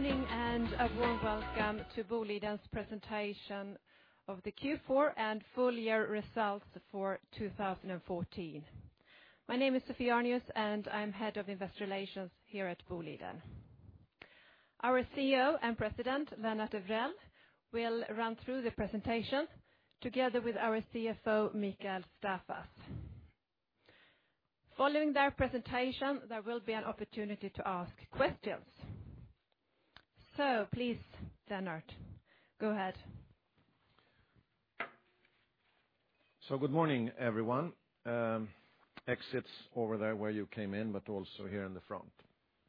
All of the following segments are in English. Good morning, a warm welcome to Boliden's presentation of the Q4 and full year results for 2014. My name is Sophie Arnius, and I am Head of Investor Relations here at Boliden. Our CEO and President, Lennart Evrell, will run through the presentation together with our CFO, Mikael Staffas. Following their presentation, there will be an opportunity to ask questions. Please, Lennart, go ahead. Good morning, everyone. Exits over there where you came in, but also here in the front,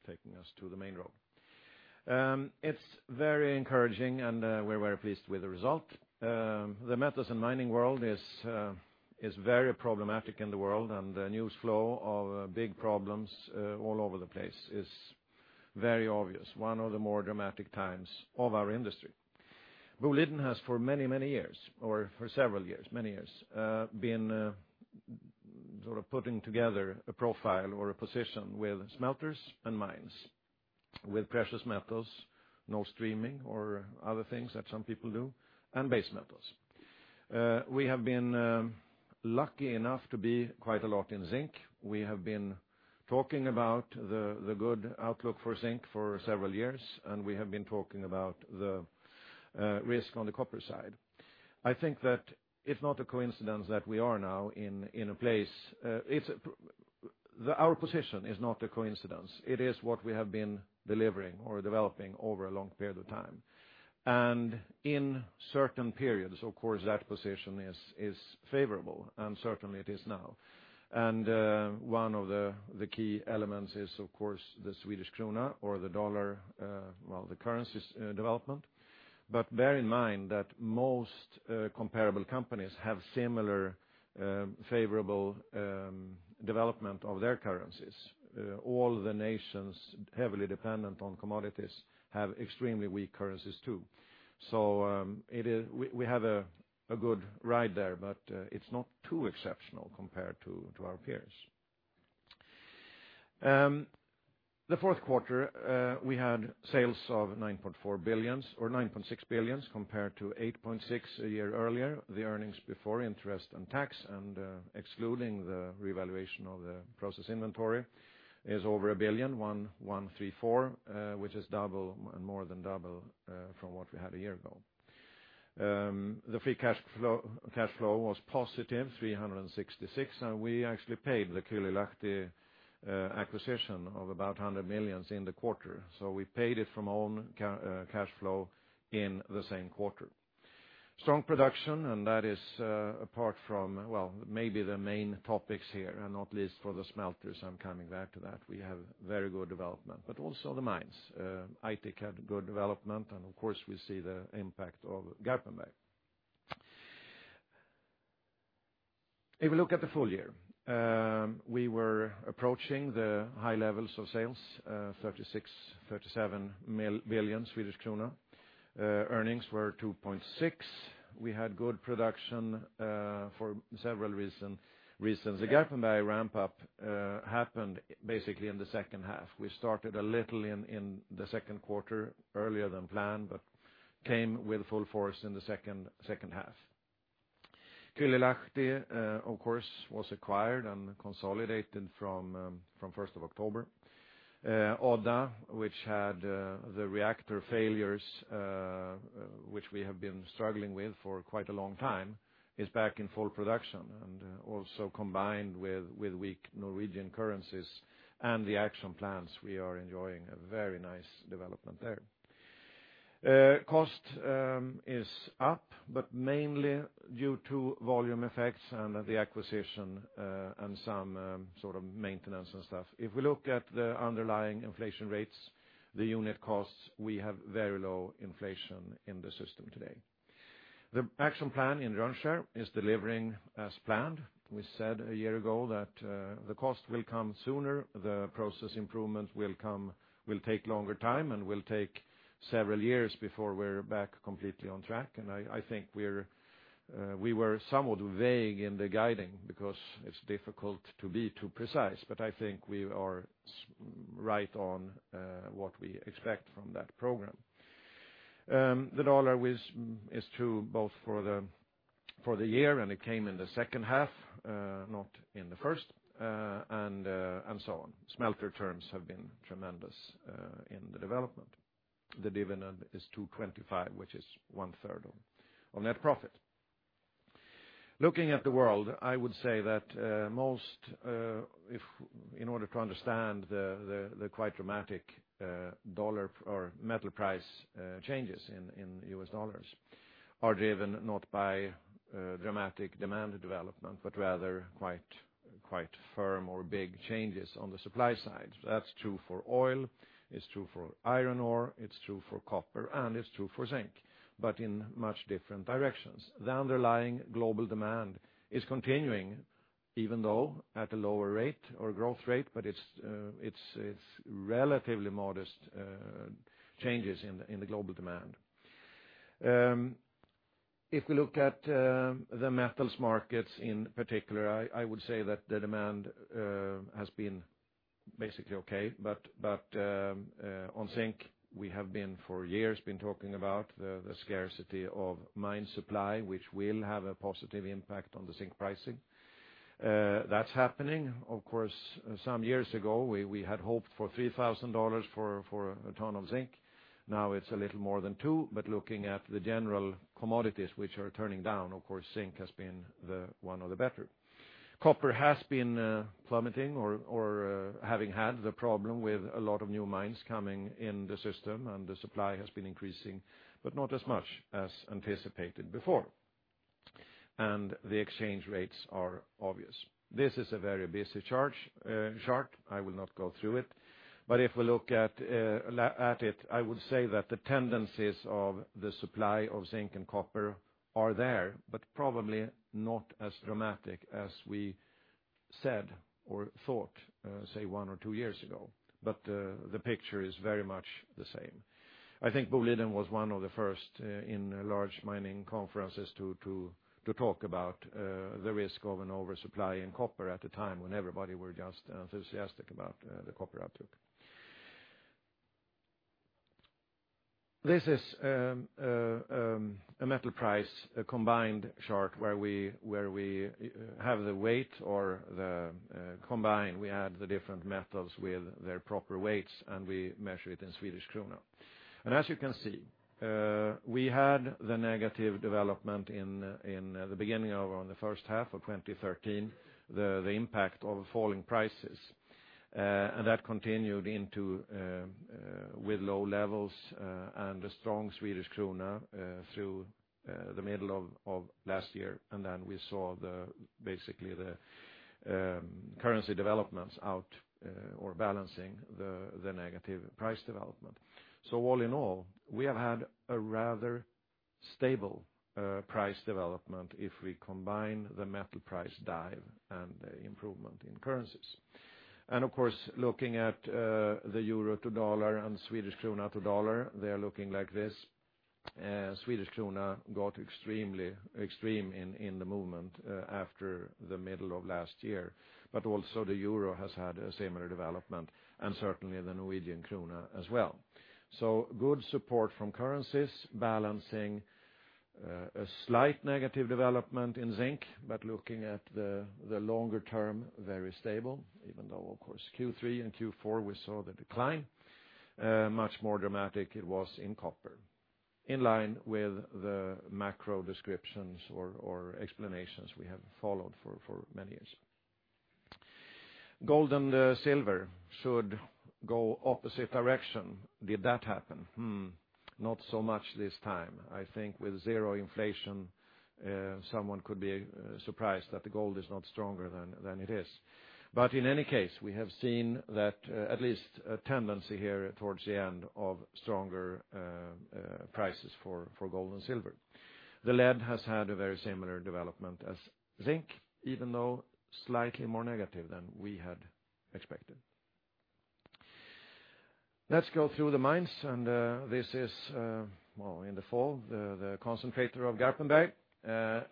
taking us to the main road. It is very encouraging, and we are very pleased with the result. The metals and mining world is very problematic in the world, and the news flow of big problems all over the place is very obvious. One of the more dramatic times of our industry. Boliden has for many years, or for several years, many years, been sort of putting together a profile or a position with smelters and mines, with precious metals, no streaming or other things that some people do, and base metals. We have been lucky enough to be quite a lot in zinc. We have been talking about the good outlook for zinc for several years, and we have been talking about the risk on the copper side. I think that it is not a coincidence that our position is not a coincidence. It is what we have been delivering or developing over a long period of time. In certain periods, of course, that position is favorable, and certainly it is now. One of the key elements is, of course, the Swedish krona or the dollar, well, the currency's development. Bear in mind that most comparable companies have similar favorable development of their currencies. All the nations heavily dependent on commodities have extremely weak currencies too. We have a good ride there, but it is not too exceptional compared to our peers. The fourth quarter, we had sales of 9.4 billion or 9.6 billion compared to 8.6 billion a year earlier. The earnings before interest and tax and excluding the revaluation of the process inventory is over 1 billion, 1.134 billion, which is double and more than double from what we had a year ago. The free cash flow was positive, 366 million, and we actually paid the Kylylahti acquisition of about 100 million in the quarter. We paid it from own cash flow in the same quarter. Strong production, that is apart from, well, maybe the main topics here, and not least for the smelters. I am coming back to that. We have very good development. But also the mines. Aitik had good development, and of course, we see the impact of Garpenberg. If we look at the full year, we were approaching the high levels of sales, 36 billion-37 billion Swedish kronor. Earnings were 2.6 billion. We had good production for several reasons. The Garpenberg ramp-up happened basically in the second half. We started a little in the second quarter, earlier than planned, but came with full force in the second half. Kylylahti, of course, was acquired and consolidated from 1st of October. Odda, which had the reactor failures, which we have been struggling with for quite a long time, is back in full production and also combined with weak Norwegian currencies and the action plans, we are enjoying a very nice development there. Cost is up, but mainly due to volume effects and the acquisition and some sort of maintenance and stuff. If we look at the underlying inflation rates, the unit costs, we have very low inflation in the system today. The action plan in Rönnskär is delivering as planned. We said a year ago that the cost will come sooner, the process improvement will take longer time and will take several years before we're back completely on track. I think we were somewhat vague in the guiding because it's difficult to be too precise, but I think we are right on what we expect from that program. The dollar is true both for the year, and it came in the second half, not in the first, and so on. Smelter terms have been tremendous in the development. The dividend is 225, which is one third of net profit. Looking at the world, I would say that in order to understand the quite dramatic dollar or metal price changes in US dollars are driven not by dramatic demand development, but rather quite firm or big changes on the supply side. That's true for oil, it's true for iron ore, it's true for copper, and it's true for zinc, but in much different directions. The underlying global demand is continuing, even though at a lower rate or growth rate, but it's relatively modest changes in the global demand. If we look at the metals markets in particular, I would say that the demand has been basically okay. On zinc, we have for years been talking about the scarcity of mine supply, which will have a positive impact on the zinc pricing. That's happening. Of course, some years ago, we had hoped for $3,000 for a ton of zinc. Now it's a little more than two, but looking at the general commodities which are turning down, of course, zinc has been one of the better. Copper has been plummeting or having had the problem with a lot of new mines coming in the system, and the supply has been increasing, but not as much as anticipated before. The exchange rates are obvious. This is a very busy chart. I will not go through it. If we look at it, I would say that the tendencies of the supply of zinc and copper are there, but probably not as dramatic as we said or thought, say, one or two years ago. The picture is very much the same. I think Boliden was one of the first in large mining conferences to talk about the risk of an oversupply in copper at the time when everybody were just enthusiastic about the copper outlook. This is a metal price, a combined chart where we have the weight or the combine. We add the different metals with their proper weights. We measure it in Swedish krona. As you can see, we had the negative development in the beginning of on the first half of 2013, the impact of falling prices. That continued with low levels and a strong Swedish krona through the middle of last year. Then we saw basically the currency developments out or balancing the negative price development. All in all, we have had a rather stable price development if we combine the metal price dive and the improvement in currencies. Of course, looking at the euro to dollar and Swedish krona to dollar, they're looking like this. Swedish krona got extreme in the movement after the middle of last year, but also the euro has had a similar development, and certainly the Norwegian krona as well. Good support from currencies balancing a slight negative development in zinc, but looking at the longer term, very stable, even though, of course, Q3 and Q4, we saw the decline. Much more dramatic it was in copper, in line with the macro descriptions or explanations we have followed for many years. Gold and silver should go opposite direction. Did that happen? Not so much this time. I think with zero inflation, someone could be surprised that the gold is not stronger than it is. In any case, we have seen that at least a tendency here towards the end of stronger prices for gold and silver. The lead has had a very similar development as zinc, even though slightly more negative than we had expected. Let's go through the mines. This is in the fall, the concentrator of Garpenberg.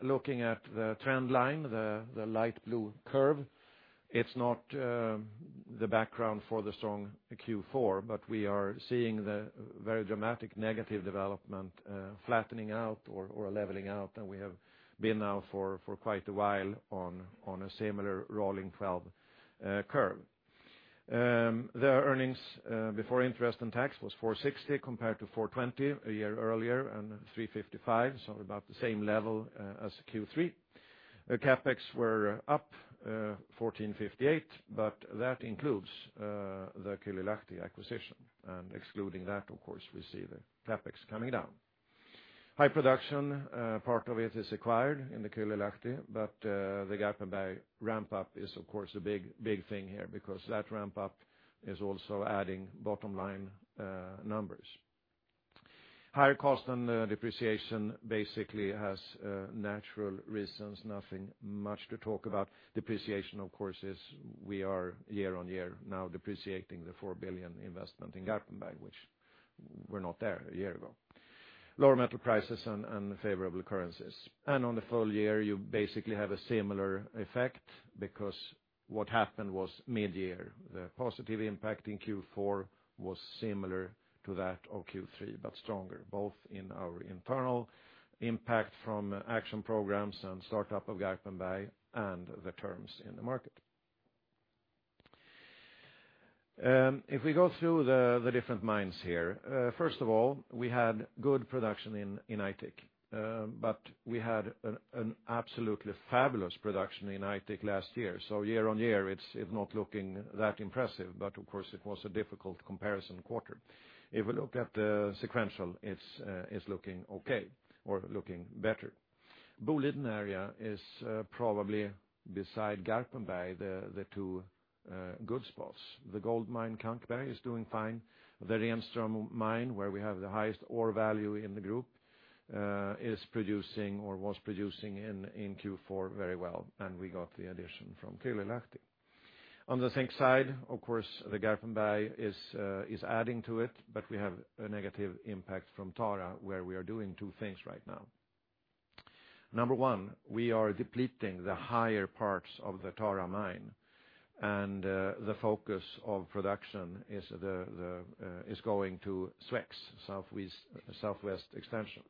Looking at the trend line, the light blue curve, it's not the background for the strong Q4. We are seeing the very dramatic negative development flattening out or leveling out. We have been now for quite a while on a similar rolling 12 curve. The EBIT was 460 compared to 420 a year earlier and 355, so about the same level as Q3. The CapEx were up 1,458, but that includes the Kylylahti acquisition. Excluding that, of course, we see the CapEx coming down. High production, part of it is acquired in the Kylylahti. The Garpenberg ramp up is of course a big thing here because that ramp up is also adding bottom line numbers. Higher cost and depreciation basically has natural reasons, nothing much to talk about. Depreciation, of course, is we are year-on-year now depreciating the 4 billion investment in Garpenberg, which were not there a year ago. Lower metal prices and favorable currencies. On the full year, you basically have a similar effect because what happened was mid-year. The positive impact in Q4 was similar to that of Q3, stronger, both in our internal impact from action programs and startup of Garpenberg and the terms in the market. If we go through the different mines here, first of all, we had good production in Aitik. We had an absolutely fabulous production in Aitik last year. Year-on-year, it's not looking that impressive. Of course it was a difficult comparison quarter. If we look at the sequential, it's looking okay or looking better. Boliden area is probably beside Garpenberg, the two good spots. The gold mine, Kankberg, is doing fine. The Renström mine, where we have the highest ore value in the group, is producing or was producing in Q4 very well, and we got the addition from Kylylahti. On the zinc side, of course, the Garpenberg is adding to it, but we have a negative impact from Tara, where we are doing two things right now. Number 1, we are depleting the higher parts of the Tara mine, and the focus of production is going to SWEX, Southwest Extension.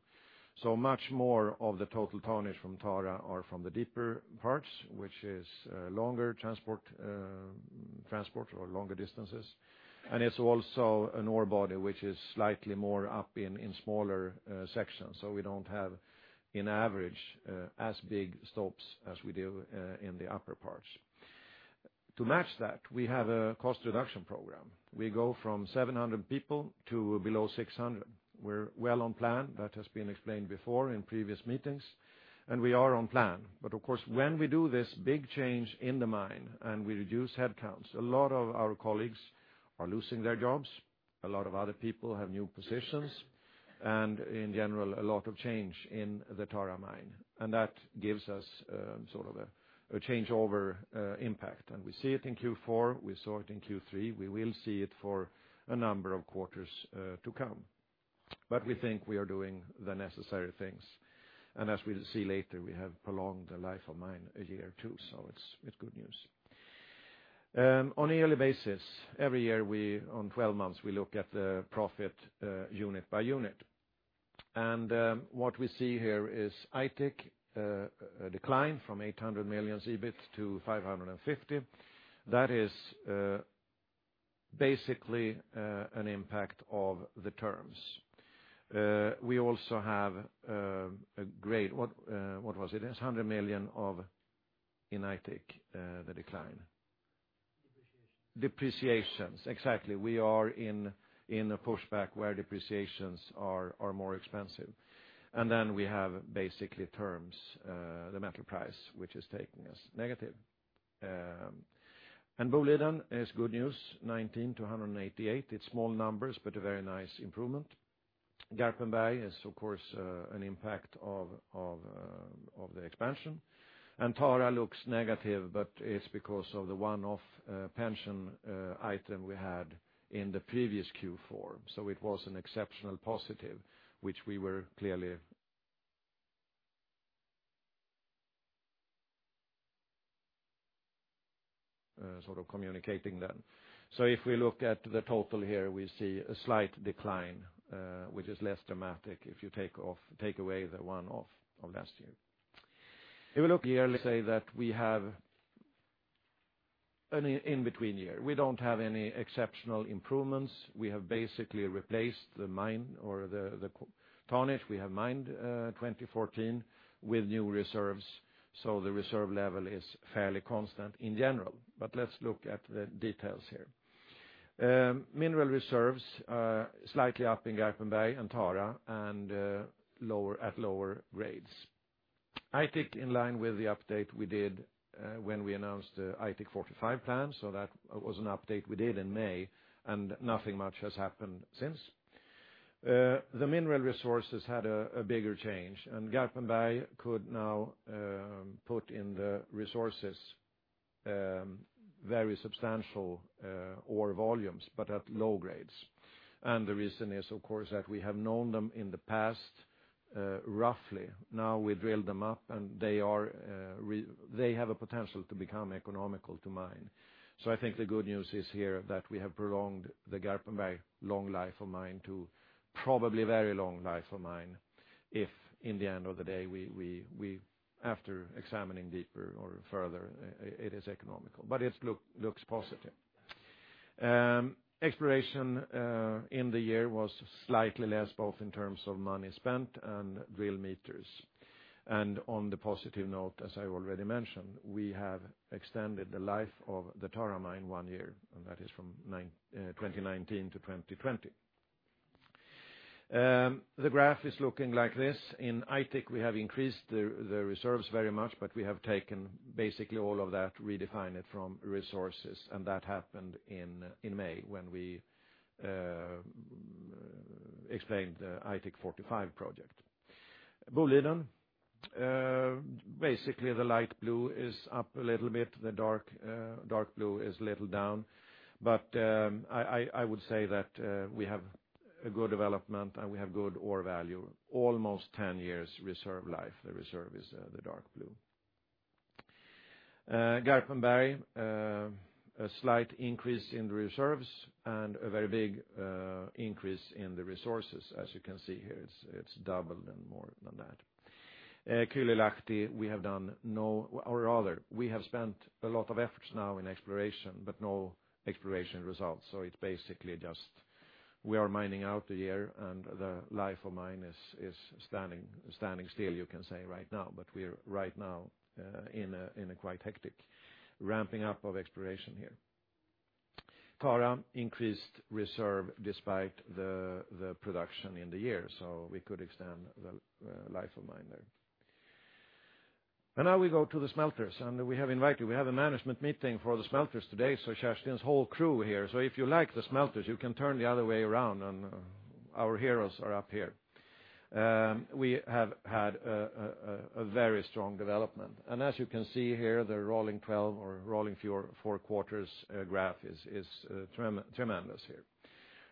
Much more of the total tonnage from Tara are from the deeper parts, which is longer transport or longer distances, and it's also an ore body which is slightly more up in smaller sections. We don't have, in average, as big stops as we do in the upper parts. To match that, we have a cost reduction program. We go from 700 people to below 600. We're well on plan. That has been explained before in previous meetings, we are on plan. Of course, when we do this big change in the mine and we reduce headcounts, a lot of our colleagues are losing their jobs. A lot of other people have new positions, in general, a lot of change in the Tara mine. That gives us a changeover impact. We see it in Q4, we saw it in Q3. We will see it for a number of quarters to come. We think we are doing the necessary things. As we'll see later, we have prolonged the life of mine a year or two, so it's good news. On a yearly basis, every year on 12 months, we look at the profit unit by unit. What we see here is Aitik, a decline from 800 million EBIT to 550 million. That is basically an impact of the terms. We also have what was it? It's 100 million in Aitik, the decline. Depreciations, exactly. We are in a pushback where depreciations are more expensive. We have basically terms, the metal price, which is taking us negative. Boliden is good news, 19 to 188. It's small numbers, a very nice improvement. Garpenberg is, of course, an impact of the expansion. Tara looks negative, but it's because of the one-off pension item we had in the previous Q4. It was an exceptional positive, which we were clearly sort of communicating then. If we look at the total here, we see a slight decline, which is less dramatic if you take away the one-off of last year. If you look yearly, say that we have an in-between year. We don't have any exceptional improvements. We have basically replaced the mine or the tonnage. We have mined 2014 with new reserves, the reserve level is fairly constant in general. Let's look at the details here. Mineral reserves are slightly up in Garpenberg and Tara and at lower grades. Aitik in line with the update we did when we announced the Aitik 45 plan. That was an update we did in May, nothing much has happened since. The mineral resources had a bigger change, Garpenberg could now put in the resources very substantial ore volumes, but at low grades. The reason is, of course, that we have known them in the past, roughly. Now we drill them up, and they have a potential to become economical to mine. I think the good news is here that we have prolonged the Garpenberg long life of mine to probably very long life of mine, if in the end of the day, after examining deeper or further, it is economical. It looks positive. Exploration in the year was slightly less, both in terms of money spent and real meters. On the positive note, as I already mentioned, we have extended the life of the Tara mine one year, and that is from 2019 to 2020. The graph is looking like this. In Aitik, we have increased the reserves very much, but we have taken basically all of that, redefined it from resources, and that happened in May when we explained the Aitik 45 project. Boliden, basically the light blue is up a little bit. The dark blue is a little down. I would say that we have a good development, and we have good ore value. Almost 10 years reserve life. The reserve is the dark blue. Garpenberg, a slight increase in the reserves and a very big increase in the resources. As you can see here, it's doubled and more than that. Kylylahti, we have spent a lot of efforts now in exploration, but no exploration results. It's basically just we are mining out the year, and the life of mine is standing still, you can say right now, but we are right now in a quite hectic ramping up of exploration here. Tara increased reserve despite the production in the year, so we could extend the life of mine there. Now we go to the smelters, and we have a management meeting for the smelters today. Kerstin's whole crew here. If you like the smelters, you can turn the other way around, and our heroes are up here. We have had a very strong development. As you can see here, the rolling 12 or rolling four quarters graph is tremendous here.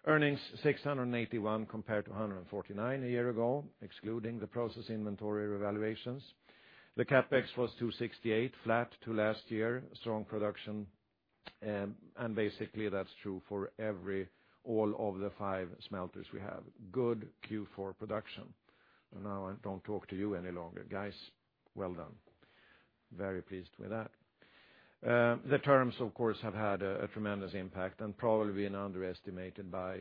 Earnings 681 compared to 149 a year ago, excluding the process inventory revaluations. The CapEx was 268, flat to last year. Strong production, and basically that's true for all of the five smelters we have. Good Q4 production. I don't talk to you any longer, guys. Well done. Very pleased with that. The terms, of course, have had a tremendous impact and probably been underestimated by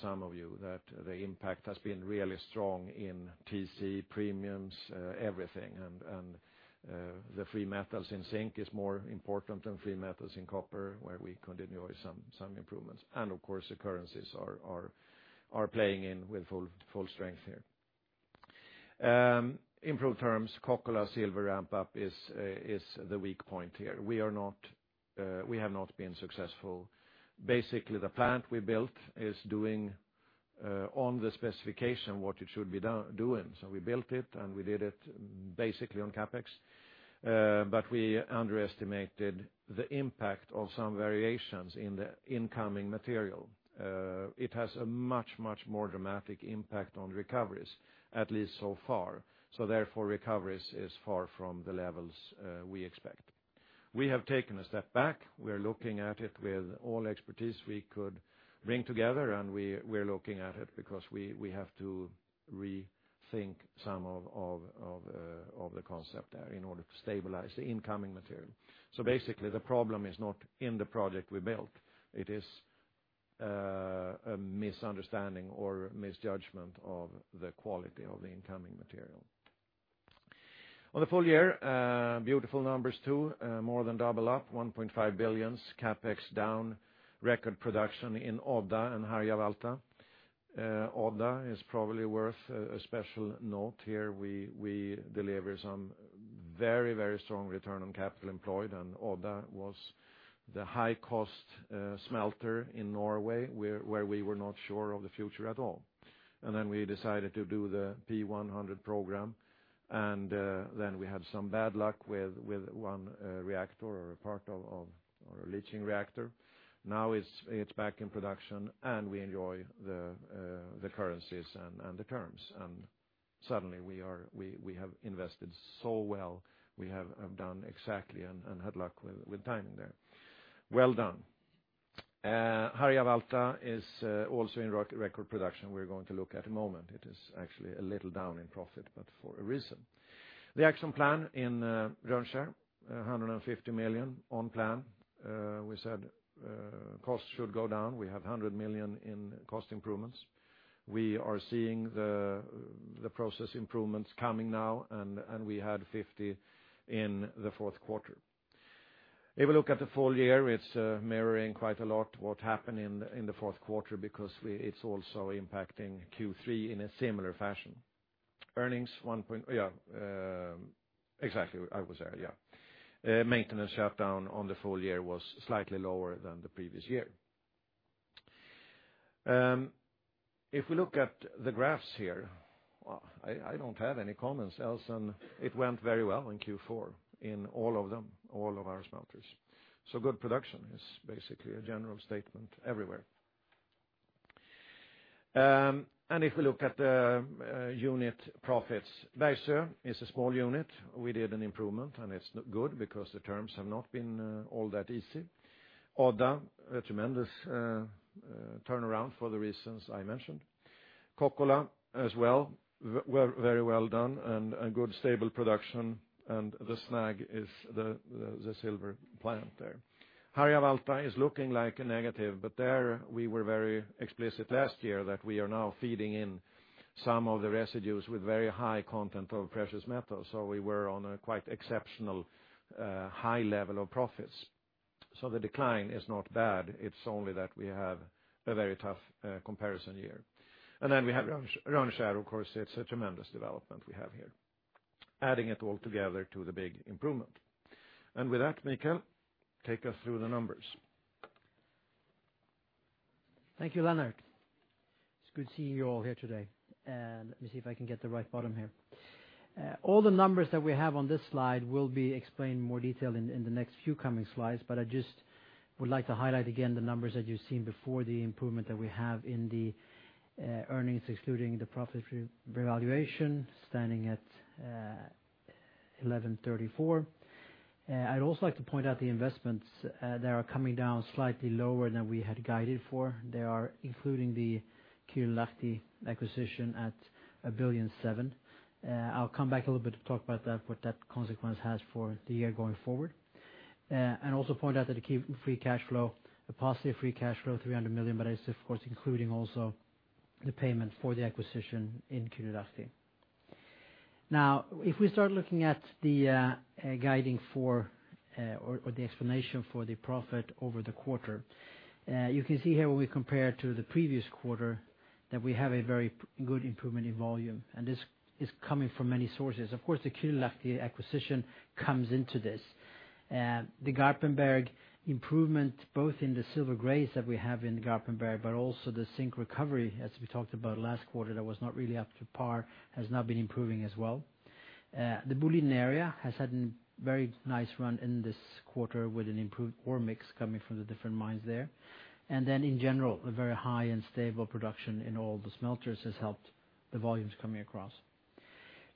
some of you that the impact has been really strong in TC premiums, everything, and the free metals in zinc is more important than free metals in copper, where we continue some improvements. Of course, the currencies are playing in with full strength here. In pro terms, Kokkola Silver ramp-up is the weak point here. We have not been successful. Basically, the plant we built is doing on the specification what it should be doing. We built it and we did it basically on CapEx, but we underestimated the impact of some variations in the incoming material. It has a much, much more dramatic impact on recoveries, at least so far. Therefore, recoveries is far from the levels we expect. We have taken a step back. We are looking at it with all expertise we could bring together, and we're looking at it because we have to rethink some of the concept there in order to stabilize the incoming material. Basically, the problem is not in the project we built. It is a misunderstanding or misjudgment of the quality of the incoming material. On the full year, beautiful numbers too. More than double up, 1.5 billion CapEx down, record production in Odda and Harjavalta. Odda is probably worth a special note here. We delivered some very, very strong Return on Capital Employed, Odda was the high-cost smelter in Norway, where we were not sure of the future at all. Then we decided to do the P100 program, we had some bad luck with one reactor or a part of our leaching reactor. Now it's back in production and we enjoy the currencies and the terms, suddenly we have invested so well. We have done exactly and had luck with timing there. Well done. Harjavalta is also in record production. We're going to look at a moment. It is actually a little down in profit, for a reason. The action plan in Rönnskär, 150 million on plan. We said costs should go down. We have 100 million in cost improvements. We are seeing the process improvements coming now, we had 50 in the fourth quarter. If we look at the full year, it's mirroring quite a lot what happened in the fourth quarter because it's also impacting Q3 in a similar fashion. Maintenance shutdown on the full year was slightly lower than the previous year. If we look at the graphs here, I don't have any comments else than it went very well in Q4 in all of them, all of our smelters. Good production is basically a general statement everywhere. If we look at the unit profits, Bergsöe is a small unit. We did an improvement, it's good because the terms have not been all that easy. Odda, a tremendous turnaround for the reasons I mentioned. Kokkola as well, very well done and a good stable production, the snag is the silver plant there. Harjavalta is looking like a negative, there we were very explicit last year that we are now feeding in some of the residues with very high content of precious metal. The decline is not bad. It's only that we have a very tough comparison year. We have Rönnskär, of course, it's a tremendous development we have here, adding it all together to the big improvement. With that, Mikael, take us through the numbers. Thank you, Lennart. It's good seeing you all here today. Let me see if I can get the right bottom here. All the numbers that we have on this slide will be explained in more detail in the next few coming slides, I just would like to highlight again the numbers that you've seen before, the improvement that we have in the earnings, excluding the profit revaluation, standing at 1,134. I'd also like to point out the investments that are coming down slightly lower than we had guided for. They are including the Kylylahti acquisition at 1.7 billion. I'll come back a little bit to talk about that, what that consequence has for the year going forward. Also point out that the positive free cash flow, 300 million, it's of course including also the payment for the acquisition in Kylylahti. If we start looking at the guiding for or the explanation for the profit over the quarter. You can see here when we compare to the previous quarter, that we have a very good improvement in volume, this is coming from many sources. Of course, the Kirunavagi acquisition comes into this. The Garpenberg improvement, both in the silver grades that we have in Garpenberg, but also the zinc recovery, as we talked about last quarter, that was not really up to par, has now been improving as well. The Boliden area has had a very nice run in this quarter with an improved ore mix coming from the different mines there. In general, a very high and stable production in all the smelters has helped the volumes coming across.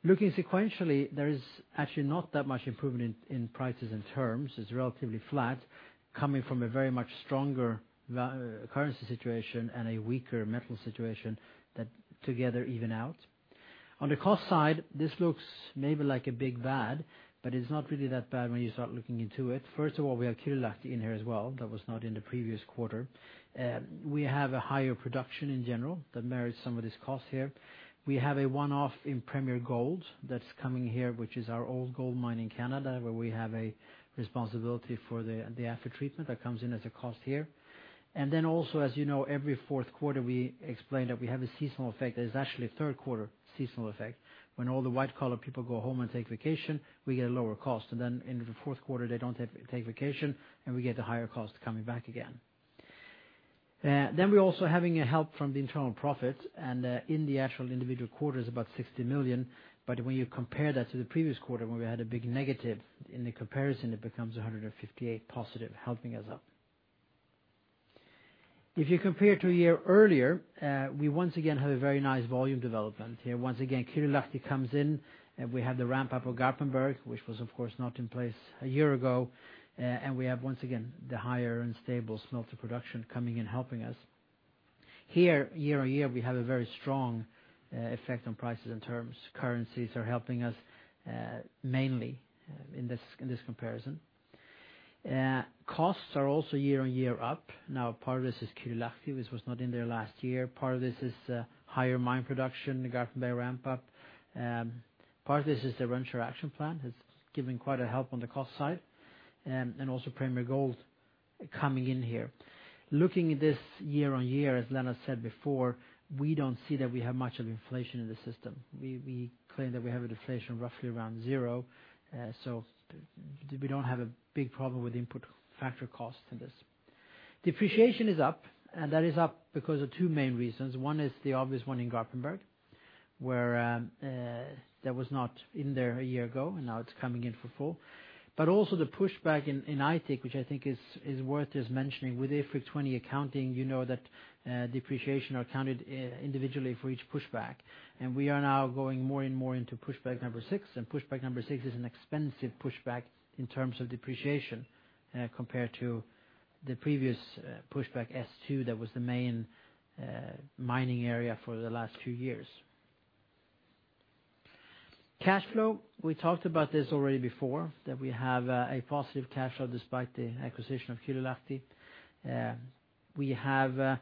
Looking sequentially, there is actually not that much improvement in prices and terms. It's relatively flat, coming from a very much stronger currency situation and a weaker metal situation that together even out. On the cost side, this looks maybe like a big bad, but it's not really that bad when you start looking into it. First of all, we have Kirunavagi in here as well, that was not in the previous quarter. We have a higher production in general that merits some of this cost here. We have a one-off in Premier Gold that's coming here, which is our old gold mine in Canada, where we have a responsibility for the after-treatment that comes in as a cost here. Also, as you know, every fourth quarter, we explain that we have a seasonal effect that is actually a third quarter seasonal effect. When all the white collar people go home and take vacation, we get a lower cost. In the fourth quarter, they don't take vacation, we get the higher cost coming back again. We're also having a help from the internal profit, in the actual individual quarter is about 60 million, but when you compare that to the previous quarter, when we had a big negative, in the comparison, it becomes 158 positive, helping us up. If you compare to a year earlier, we once again have a very nice volume development here. Once again, Kirunavagi comes in, we have the ramp up of Garpenberg, which was, of course, not in place a year ago. We have, once again, the higher and stable smelter production coming and helping us. Here, year-over-year, we have a very strong effect on prices and terms. Currencies are helping us mainly in this comparison. Costs are also year-over-year up. Part of this is Kirunavagi, which was not in there last year. Part of this is higher mine production, the Garpenberg ramp up. Part of this is the Rönnskär action plan has given quite a help on the cost side. Also Premier Gold coming in here. Looking at this year-over-year, as Lennart said before, we don't see that we have much of inflation in the system. We claim that we have an deflation roughly around zero. We don't have a big problem with input factor cost in this. Depreciation is up, that is up because of two main reasons. One is the obvious one in Garpenberg, where that was not in there a year ago, now it's coming in for full. Also the pushback in Aitik, which I think is worth us mentioning. With IFRIC 20 accounting, you know that depreciation are counted individually for each pushback. We are now going more and more into pushback number 6, pushback number 6 is an expensive pushback in terms of depreciation compared to the previous pushback S2, that was the main mining area for the last two years. Cash flow, we talked about this already before, that we have a positive cash flow despite the acquisition of Kylylahti. We have,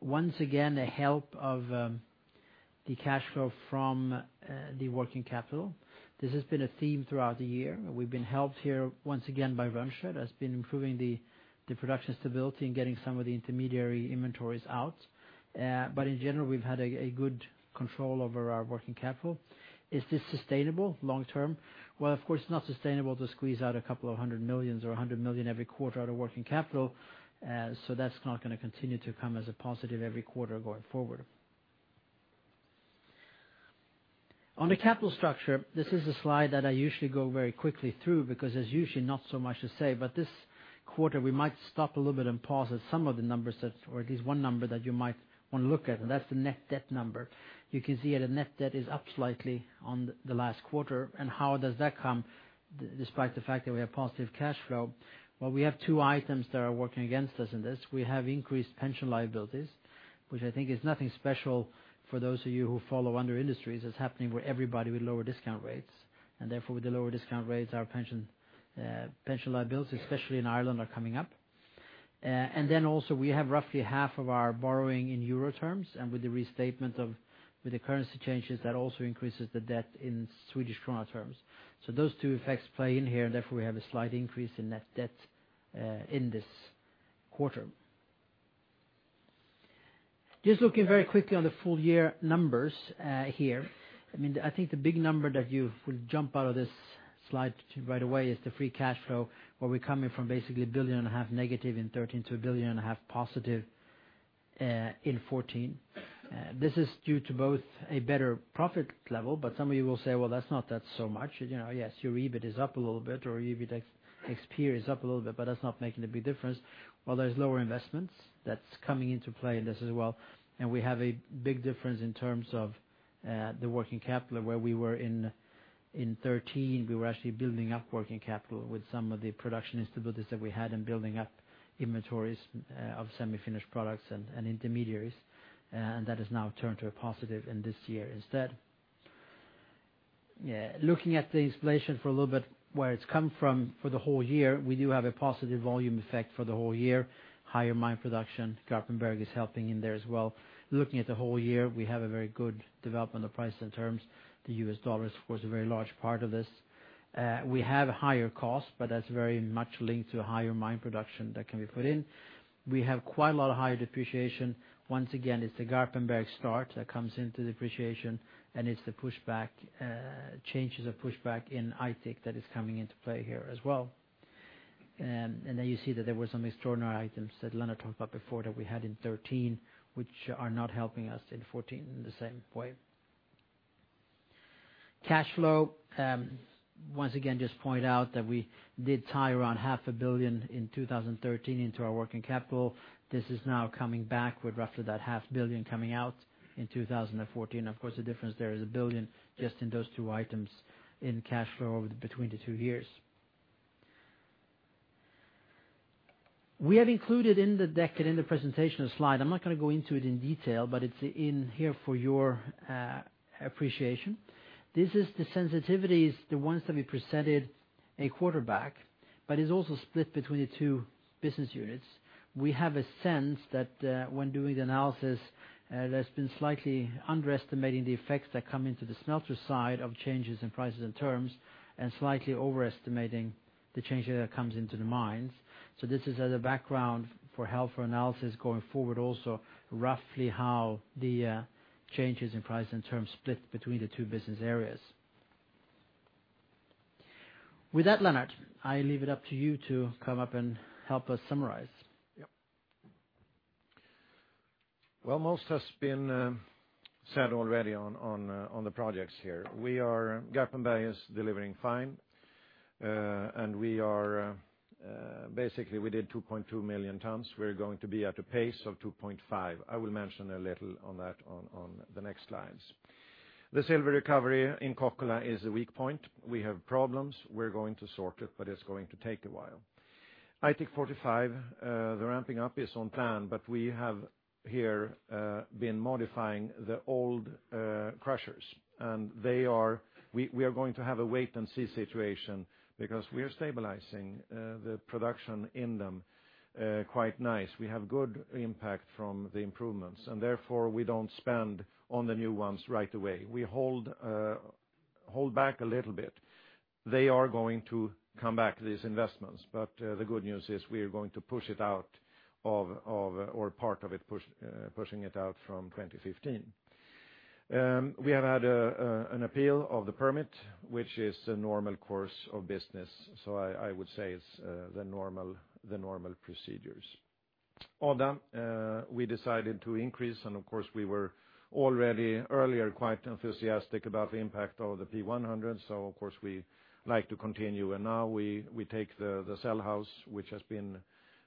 once again, a help of the cash flow from the working capital. This has been a theme throughout the year. We've been helped here once again by Rönnskär, that's been improving the production stability and getting some of the intermediary inventories out. In general, we've had a good control over our working capital. Is this sustainable long term? Well, of course, it's not sustainable to squeeze out a couple of hundred million or 100 million every quarter out of working capital. That's not going to continue to come as a positive every quarter going forward. On the capital structure, this is a slide that I usually go very quickly through because there's usually not so much to say, this quarter we might stop a little bit and pause at some of the numbers, or at least one number that you might want to look at, that's the net debt number. You can see that the net debt is up slightly on the last quarter. How does that come despite the fact that we have positive cash flow? Well, we have two items that are working against us in this. We have increased pension liabilities, which I think is nothing special for those of you who follow other industries. It's happening with everybody with lower discount rates. Therefore, with the lower discount rates, our pension liabilities, especially in Ireland, are coming up. Also we have roughly half of our borrowing in EUR terms, with the restatement of the currency changes, that also increases the debt in SEK terms. Those two effects play in here, therefore, we have a slight increase in net debt in this quarter. Just looking very quickly on the full year numbers here. I think the big number that will jump out of this slide right away is the free cash flow, where we're coming from basically SEK a billion and a half negative in 2013 to SEK a billion and a half positive in 2014. This is due to both a better profit level, some of you will say, "Well, that's not so much. Yes, your EBIT is up a little bit or your EBIT ex-PIR is up a little bit, that's not making a big difference." Well, there's lower investments that's coming into play in this as well. We have a big difference in terms of the working capital of where we were in 2013. We were actually building up working capital with some of the production instabilities that we had in building up inventories of semi-finished products and intermediaries. That has now turned to a positive in this year instead. Looking at the inflation for a little bit, where it's come from for the whole year, we do have a positive volume effect for the whole year. Higher mine production, Garpenberg is helping in there as well. Looking at the whole year, we have a very good development of prices and terms. The US dollar is, of course, a very large part of this. We have higher costs, but that's very much linked to higher mine production that can be put in. We have quite a lot of higher depreciation. Once again, it's the Garpenberg start that comes into depreciation, and it's the changes of pushback in Aitik that is coming into play here as well. You see that there were some extraordinary items that Lennart talked about before that we had in 2013, which are not helping us in 2014 in the same way. Cash flow. Once again, just point out that we did tie around half a billion in 2013 into our working capital. This is now coming back with roughly that half billion coming out in 2014. The difference there is a billion just in those two items in cash flow between the two years. We have included in the deck and in the presentation a slide. I'm not going to go into it in detail, but it's in here for your appreciation. This is the sensitivities, the ones that we presented a quarter back, but it's also split between the two business units. We have a sense that when doing the analysis, there's been slightly underestimating the effects that come into the smelter side of changes in prices and terms, and slightly overestimating the changes that comes into the mines. This is as a background for help for analysis going forward, also roughly how the changes in price and terms split between the two business areas. With that, Lennart, I leave it up to you to come up and help us summarize. Most has been said already on the projects here. Garpenberg is delivering fine. Basically, we did 2.2 million tonnes. We're going to be at a pace of 2.5. I will mention a little on that on the next slides. The silver recovery in Kokkola is a weak point. We have problems. We're going to sort it, but it's going to take a while. Aitik 45, the ramping up is on plan, but we have here been modifying the old crushers. We are going to have a wait-and-see situation because we are stabilizing the production in them quite nice. We have good impact from the improvements, and therefore, we don't spend on the new ones right away. We hold back a little bit. They are going to come back, these investments, but the good news is we are going to push it or part of it, pushing it out from 2015. We have had an appeal of the permit, which is a normal course of business. I would say it's the normal procedures. Odda, we decided to increase, and of course, we were already earlier quite enthusiastic about the impact of the P100, so of course, we like to continue. Now we take the cell house, which has been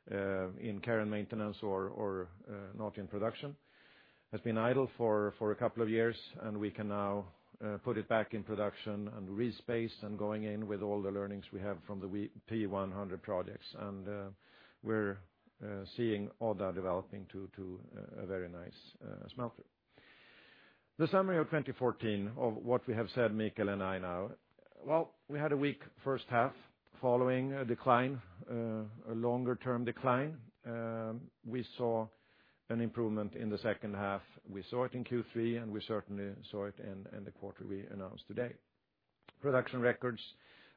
in care and maintenance or not in production, has been idle for a couple of years, and we can now put it back in production and respace and going in with all the learnings we have from the P100 projects. We're seeing Odda developing to a very nice smelter. The summary of 2014 of what we have said, Mikael and I know. Well, we had a weak first half following a decline, a longer-term decline. We saw an improvement in the second half. We saw it in Q3, and we certainly saw it in the quarter we announced today. Production records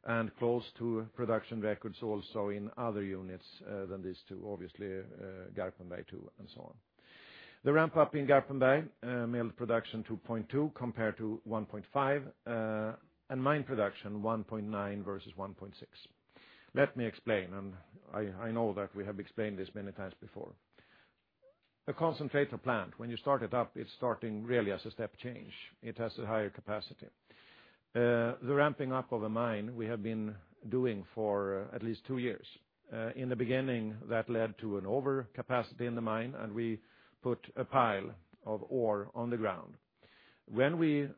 and close to production records also in other units other than these two, obviously, Garpenberg too, and so on. The ramp up in Garpenberg, mill production 2.2 compared to 1.5, and mine production 1.9 versus 1.6. Let me explain, I know that we have explained this many times before. A concentrator plant, when you start it up, it's starting really as a step change. It has a higher capacity. The ramping up of a mine we have been doing for at least two years. In the beginning, that led to an overcapacity in the mine, we put a pile of ore on the ground. When we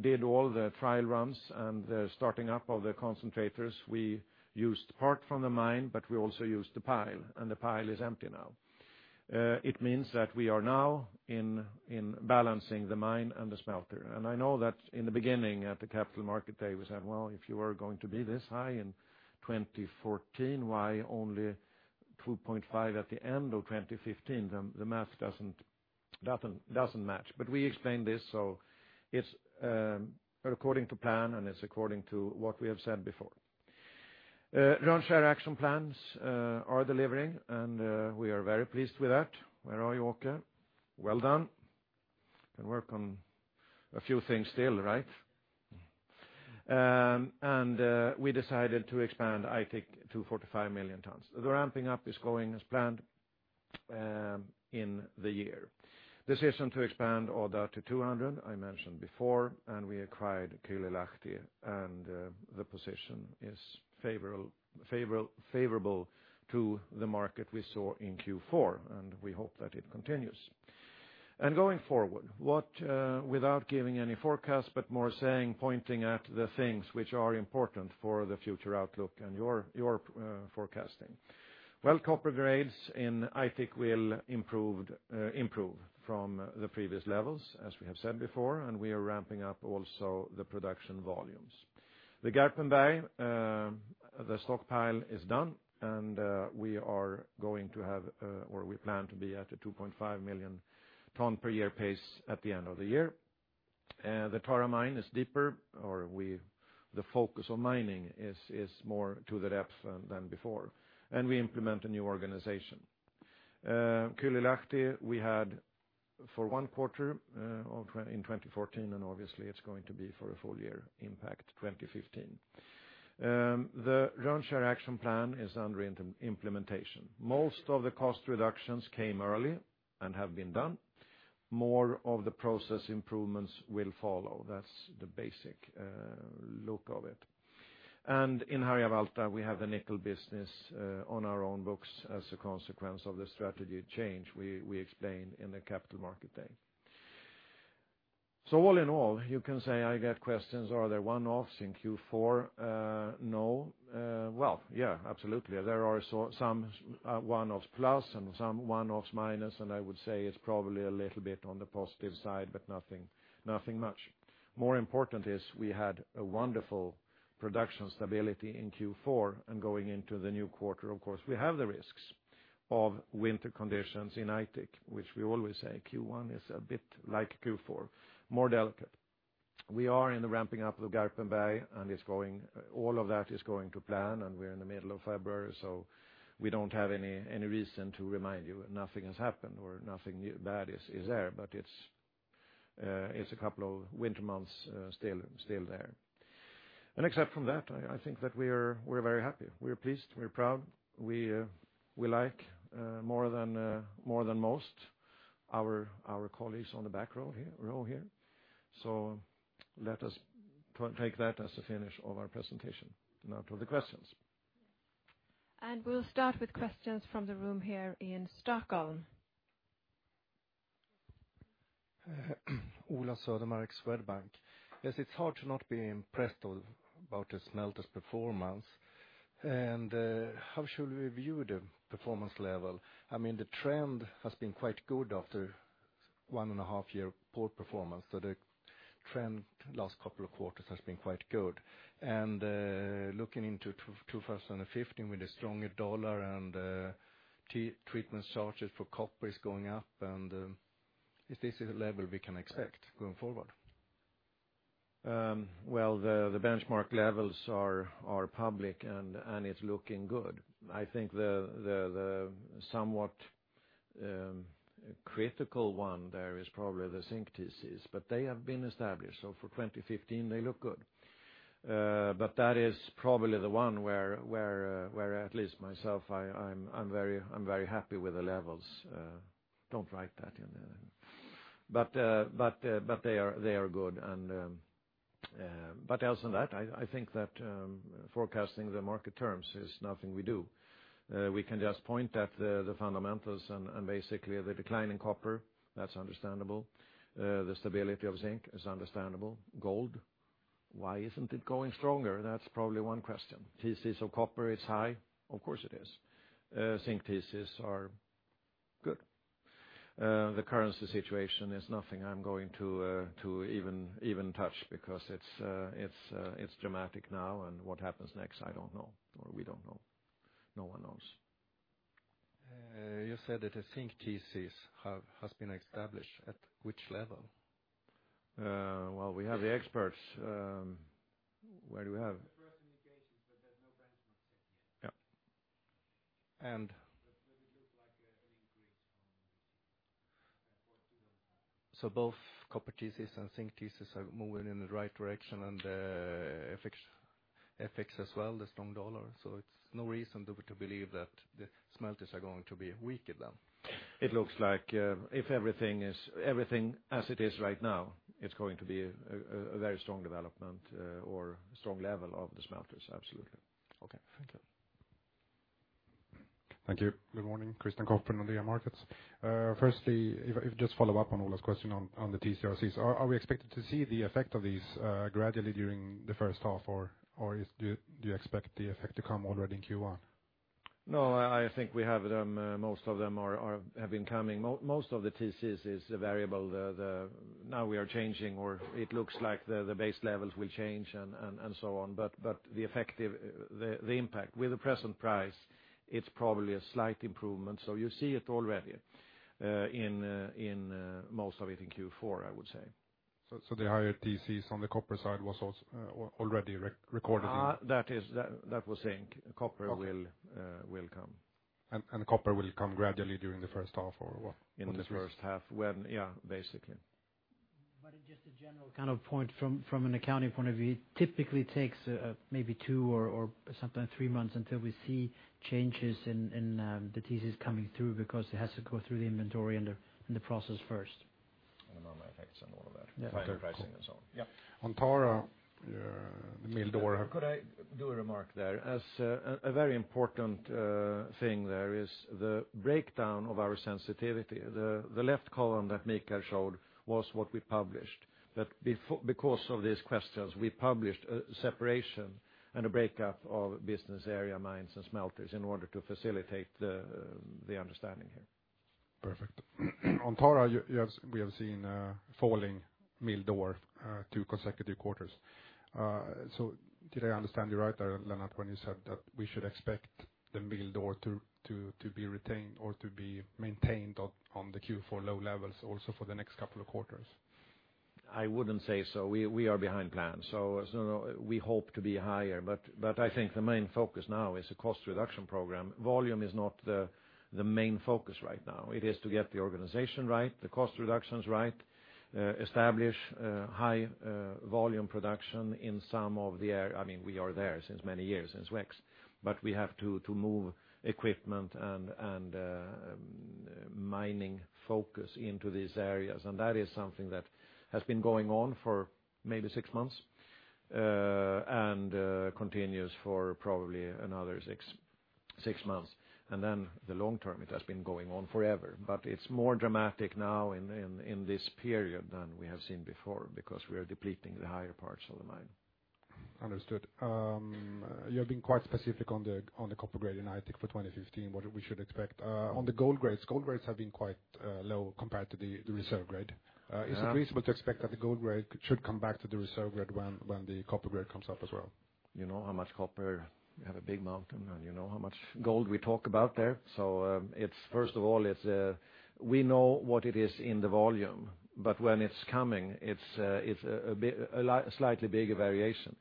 did all the trial runs and the starting up of the concentrators, we used part from the mine, but we also used the pile, and the pile is empty now. It means that we are now balancing the mine and the smelter. I know that in the beginning at the Capital Market Day, we said, "Well, if you are going to be this high in 2014, why only 2.5 at the end of 2015? The math doesn't match." We explained this, so it's according to plan, it's according to what we have said before. Rönnskär action plans are delivering, and we are very pleased with that. Where are you, Åke? Well done. Can work on a few things still, right? We decided to expand Aitik to 45 million tonnes. The ramping up is going as planned in the year. Decision to expand Odda to 200, I mentioned before, we acquired Kylylahti, the position is favorable to the market we saw in Q4, and we hope that it continues. Going forward, without giving any forecast, but more saying, pointing at the things which are important for the future outlook and your forecasting. Well, copper grades in Aitik will improve from the previous levels, as we have said before, and we are ramping up also the production volumes. The Garpenberg stockpile is done, and we plan to be at a 2.5 million ton per year pace at the end of the year. The Tara mine is deeper, or the focus of mining is more to the depth than before. We implement a new organization. Kylylahti we had for one quarter in 2014, and obviously it's going to be for a full year impact 2015. The Rönnskär action plan is under implementation. Most of the cost reductions came early and have been done. More of the process improvements will follow. That's the basic look of it. In Harjavalta, we have the nickel business on our own books as a consequence of the strategy change we explained in the Capital Market Day. All in all, you can say I get questions, are there one-offs in Q4? No. Well, yeah, absolutely. There are some one-offs plus and some one-offs minus, and I would say it's probably a little bit on the positive side, but nothing much. More important is we had a wonderful production stability in Q4 and going into the new quarter. We have the risks of winter conditions in Aitik, which we always say, Q1 is a bit like Q4, more delicate. We are in the ramping up of Garpenberg, and all of that is going to plan, and we're in the middle of February, so we don't have any reason to remind you. Nothing has happened or nothing bad is there, but it's a couple of winter months still there. Except from that, I think that we're very happy. We're pleased. We're proud. We like more than most our colleagues on the back row here. Let us take that as the finish of our presentation. Now to the questions. We'll start with questions from the room here in Stockholm. Ola Södermark, Swedbank. Yes, it's hard to not be impressed about the smelters' performance. How should we view the performance level? The trend has been quite good after one and a half year poor performance. The trend last couple of quarters has been quite good. Looking into 2015 with a stronger dollar and treatment charges for copper is going up, and is this the level we can expect going forward? Well, the benchmark levels are public, and it's looking good. I think the somewhat critical one there is probably the zinc TCs, but they have been established. For 2015, they look good. That is probably the one where at least myself, I'm very happy with the levels. Don't write that in. They are good. Other than that, I think that forecasting the market terms is nothing we do. We can just point at the fundamentals and basically the decline in copper, that's understandable. The stability of zinc is understandable. Gold, why isn't it going stronger? That's probably one question. Thesis of copper is high. Of course it is. Zinc thesis are good. The currency situation is nothing I'm going to even touch because it's dramatic now, and what happens next, I don't know, or we don't know. No one knows. You said that the zinc thesis has been established. At which level? Well, we have the experts. Where do we have- The first indications, there's no benchmark set yet. Yeah. It looks like an increase from the TCs. Both copper TCs and zinc TCs are moving in the right direction, and FX as well, the strong dollar. It's no reason to believe that the smelters are going to be weaker then. It looks like if everything as it is right now, it's going to be a very strong development or strong level of the smelters. Absolutely. Okay. Thank you. Thank you. Good morning, Christian Kopfer, Nordea Markets. If I just follow up on Ola's question on the TC, RC. Are we expected to see the effect of these gradually during the first half, or do you expect the effect to come already in Q1? I think we have them. Most of them have been coming. Most of the TCs is a variable. Now we are changing, or it looks like the base levels will change and so on. The impact with the present price, it's probably a slight improvement. You see it already in most of it in Q4, I would say. The higher TCs on the copper side was already recorded? That was zinc. Copper will come. Copper will come gradually during the first half or what? In the first half. Yeah, basically. Just a general point from an accounting point of view, it typically takes maybe two or sometimes three months until we see changes in the TCs coming through because it has to go through the inventory and the process first. Then all the effects and all of that. Final pricing and so on. Yeah. On Tara, the mill door Could I do a remark there? A very important thing there is the breakdown of our sensitivity. The left column that Mikael showed was what we published. Because of these questions, we published a separation and a breakup of business area mines and smelters in order to facilitate the understanding here. Perfect. On Tara, we have seen a falling mill door two consecutive quarters. Did I understand you right there, Lennart, when you said that we should expect the mill door to be retained or to be maintained on the Q4 low levels also for the next couple of quarters? I wouldn't say so. We are behind plan, so we hope to be higher. I think the main focus now is the cost reduction program. Volume is not the main focus right now. It is to get the organization right, the cost reductions right, establish high volume production in some of the area. We are there since many years, since SWEX, but we have to move equipment and mining focus into these areas. That is something that has been going on for maybe six months, and continues for probably another six months. Then the long term, it has been going on forever, but it's more dramatic now in this period than we have seen before because we are depleting the higher parts of the mine. Understood. You have been quite specific on the copper grade in Aitik for 2015, what we should expect. On the gold grades, gold grades have been quite low compared to the reserve grade. Yeah. Is it reasonable to expect that the gold grade should come back to the reserve grade when the copper grade comes up as well? You know how much copper we have a big mountain, and you know how much gold we talk about there. First of all, we know what it is in the volume, but when it's coming, it's a slightly bigger variation.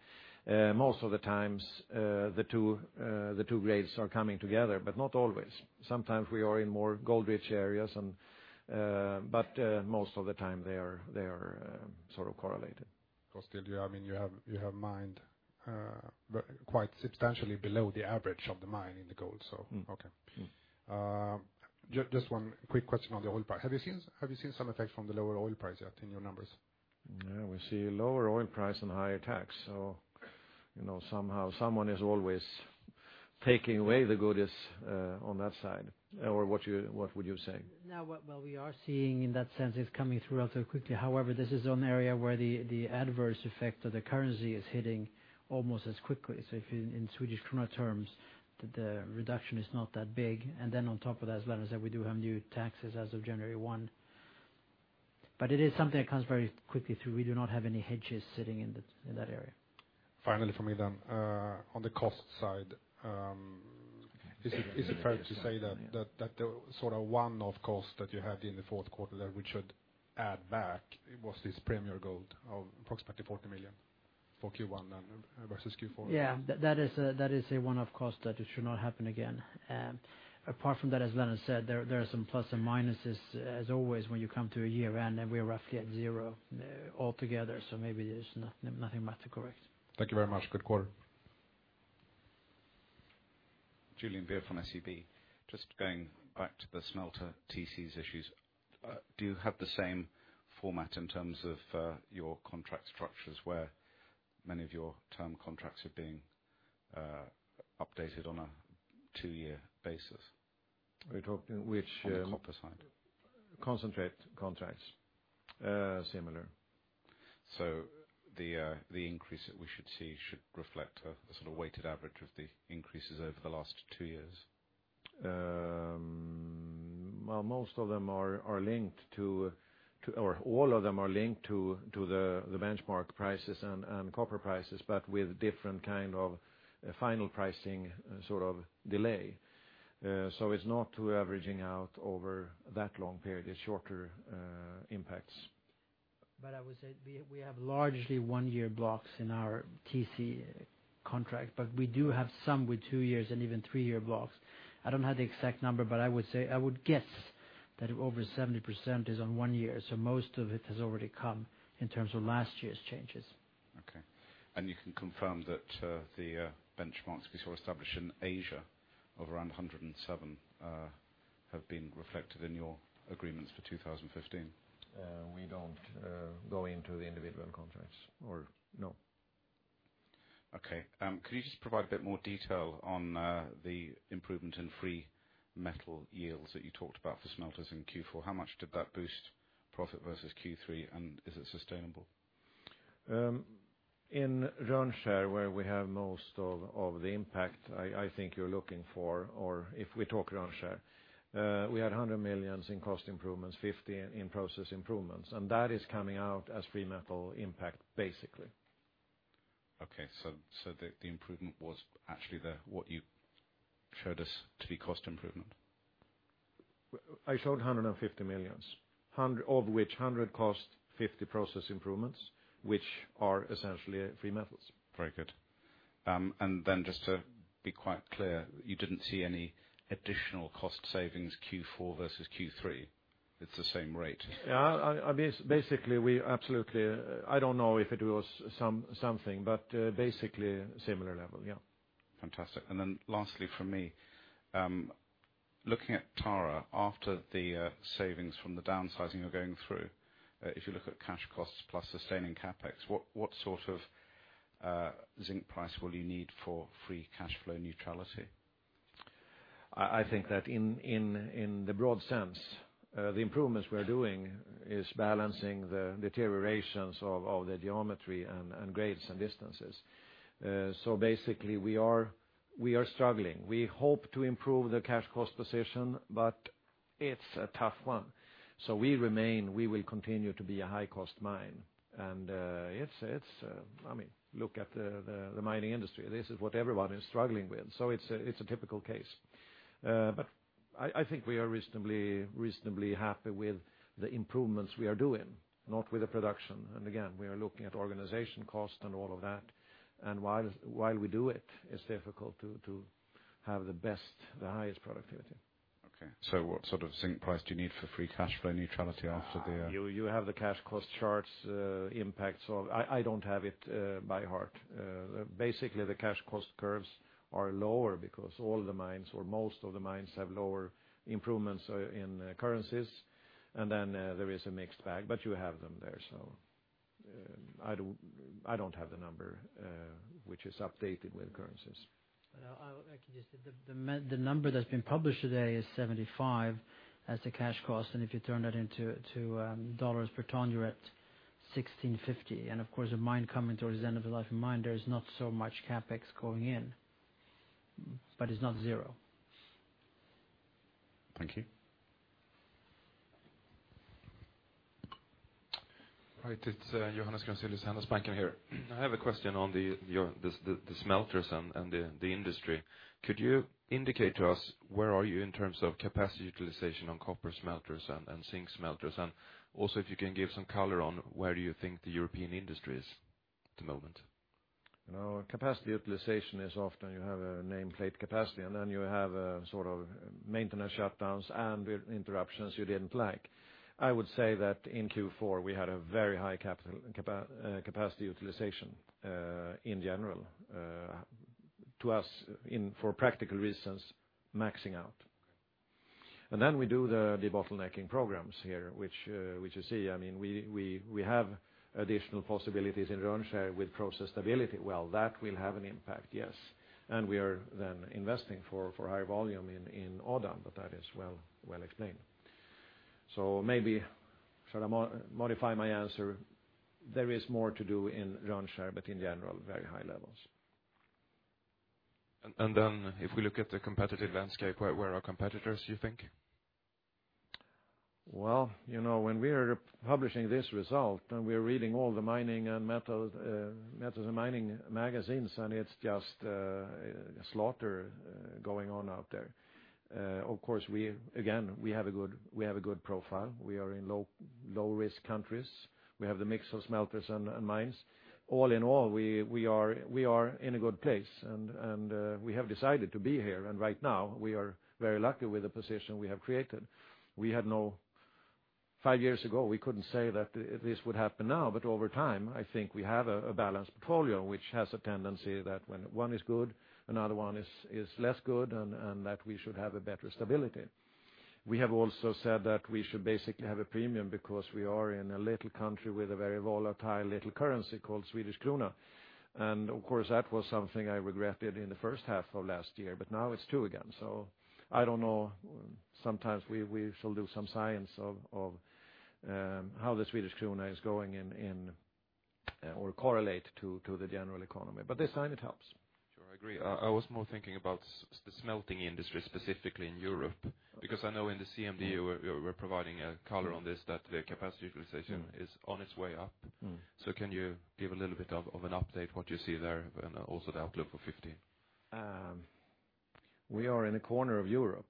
Most of the times, the two grades are coming together, not always. Sometimes we are in more gold-rich areas. Most of the time they are sort of correlated. Still, you have mined quite substantially below the average of the mine in the gold. Okay. Just one quick question on the oil price. Have you seen some effects from the lower oil price yet in your numbers? We see lower oil price and higher tax. Somehow someone is always taking away the goodies on that side. What would you say? No. Well, we are seeing in that sense it's coming through relatively quickly. However, this is an area where the adverse effect of the currency is hitting almost as quickly. If in SEK terms, the reduction is not that big. On top of that, as Lennart said, we do have new taxes as of January 1. It is something that comes very quickly through. We do not have any hedges sitting in that area. Finally from me then, on the cost side, is it fair to say that the sort of one-off cost that you had in the fourth quarter there, which should add back, was this Premier Gold of approximately 40 million for Q1 then versus Q4? Yeah, that is a one-off cost that it should not happen again. Apart from that, as Lennart said, there are some plus and minuses as always when you come to a year-end, and we are roughly at zero altogether, so maybe there's nothing much to correct. Thank you very much. Good quarter. Julian Beer from SEB. Just going back to the smelter TCs issues. Do you have the same format in terms of your contract structures where many of your term contracts are being updated on a two-year basis? We're talking which. On the copper side concentrate contracts? Similar. The increase that we should see should reflect a sort of weighted average of the increases over the last two years? Well, most of them are linked to, or all of them are linked to the benchmark prices and copper prices, but with different kind of final pricing sort of delay. It's not too averaging out over that long period. It's shorter impacts. I would say we have largely one-year blocks in our TC contract, but we do have some with two years and even three-year blocks. I don't have the exact number, but I would guess that over 70% is on one year, most of it has already come in terms of last year's changes. Okay. You can confirm that the benchmarks we saw established in Asia of around 107 have been reflected in your agreements for 2015? We don't go into the individual contracts or no. Okay. Could you just provide a bit more detail on the improvement in free metal yields that you talked about for smelters in Q4? How much did that boost profit versus Q3, is it sustainable? In Rönnskär, where we have most of the impact, I think you're looking for, or if we talk Rönnskär, we had 100 million in cost improvements, 50 in process improvements, and that is coming out as free metal impact, basically. Okay. The improvement was actually what you showed us to be cost improvement? I showed 150 million, of which 100 cost, 50 process improvements, which are essentially free metals. Very good. Just to be quite clear, you didn't see any additional cost savings Q4 versus Q3? It's the same rate? Yeah. Basically, we absolutely I don't know if it was something, but basically similar level, yeah. Fantastic. Lastly from me, looking at Tara, after the savings from the downsizing you're going through, if you look at cash costs plus sustaining CapEx, what sort of zinc price will you need for free cash flow neutrality? I think that in the broad sense, the improvements we're doing is balancing the deteriorations of the geometry and grades and distances. Basically we are struggling. We hope to improve the cash cost position, but it's a tough one. We will continue to be a high-cost mine. Look at the mining industry. This is what everybody is struggling with. It's a typical case. I think we are reasonably happy with the improvements we are doing, not with the production. Again, we are looking at organization cost and all of that. While we do it's difficult to have the best, the highest productivity. Okay. What sort of zinc price do you need for free cash flow neutrality after the You have the cash cost charts impact. I don't have it by heart. Basically, the cash cost curves are lower because all the mines or most of the mines have lower improvements in currencies, and then there is a mixed bag. You have them there. I don't have the number which is updated with currencies. The number that's been published today is 75 as the cash cost, and if you turn that into dollars per ton, you're at $16.50. Of course, a mine coming towards the end of the life of mine, there is not so much CapEx going in. It's not zero. Thank you. Hi, it's Johannes Grunselius with SEB Bank. Here I have a question on the smelters and the industry. Could you indicate to us where are you in terms of capacity utilization on copper smelters and zinc smelters? Also, if you can give some color on where you think the European industry is at the moment. Capacity utilization is often you have a nameplate capacity, you have sort of maintenance shutdowns and interruptions you didn't like. I would say that in Q4, we had a very high capacity utilization in general. To us, for practical reasons, maxing out. We do the bottlenecking programs here, which you see. We have additional possibilities in Rönnskär with process stability. Well, that will have an impact, yes. We are investing for higher volume in Odda, but that is well explained. Maybe should I modify my answer? There is more to do in Rönnskär, but in general, very high levels. If we look at the competitive landscape, where are competitors, you think? Well, when we are publishing this result, we're reading all the metals and mining magazines, it's just a slaughter going on out there. Of course, again, we have a good profile. We are in low-risk countries. We have the mix of smelters and mines. All in all, we are in a good place, we have decided to be here. Right now, we are very lucky with the position we have created. Five years ago, we couldn't say that this would happen now. Over time, I think we have a balanced portfolio, which has a tendency that when one is good, another one is less good, that we should have a better stability. We have also said that we should basically have a premium because we are in a little country with a very volatile little currency called Swedish krona. Of course, that was something I regretted in the first half of last year, now it's two again. I don't know. Sometimes we shall do some science of how the Swedish krona is going or correlate to the general economy. This time it helps. Sure. I agree. I was more thinking about the smelting industry, specifically in Europe, because I know in the CMD, you were providing a color on this, that the capacity utilization is on its way up. Can you give a little bit of an update what you see there and also the outlook for 2015? We are in a corner of Europe.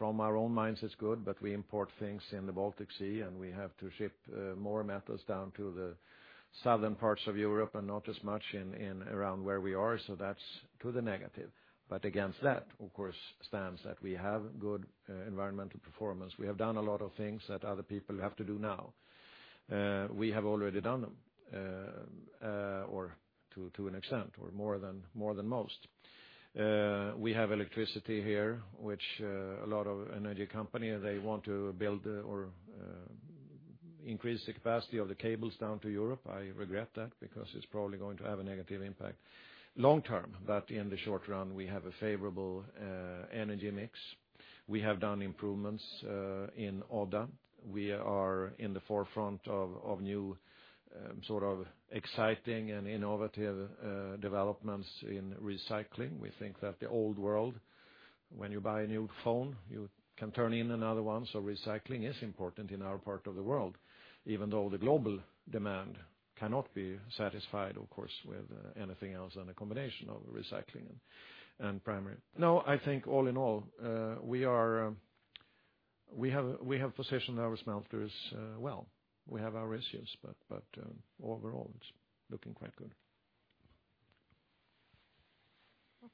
From our own minds, it's good, but we import things in the Baltic Sea, and we have to ship more metals down to the southern parts of Europe and not as much around where we are. That's to the negative. Against that, of course, stands that we have good environmental performance. We have done a lot of things that other people have to do now. We have already done them to an extent, or more than most. We have electricity here, which a lot of energy company, they want to build or increase the capacity of the cables down to Europe. I regret that because it's probably going to have a negative impact long term. In the short run, we have a favorable energy mix. We have done improvements in Odda. We are in the forefront of new sort of exciting and innovative developments in recycling. We think that the old world, when you buy a new phone, you can turn in another one. Recycling is important in our part of the world, even though the global demand cannot be satisfied, of course, with anything else than a combination of recycling and primary. I think all in all we have positioned our smelters well. We have our issues, but overall, it's looking quite good.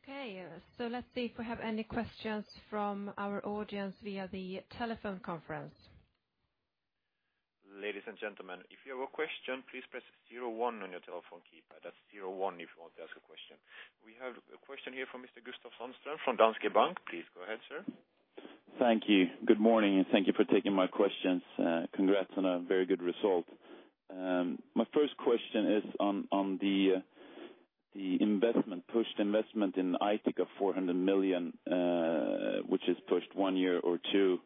Okay. Let's see if we have any questions from our audience via the telephone conference. Ladies and gentlemen, if you have a question, please press zero one on your telephone keypad. That's zero one if you want to ask a question. We have a question here from Mr. Gustaf Sundström from Danske Bank. Please go ahead, sir. Thank you. Good morning, and thank you for taking my questions. Congrats on a very good result. My first question is on the pushed investment in Aitik of 400 million, which is pushed one year or two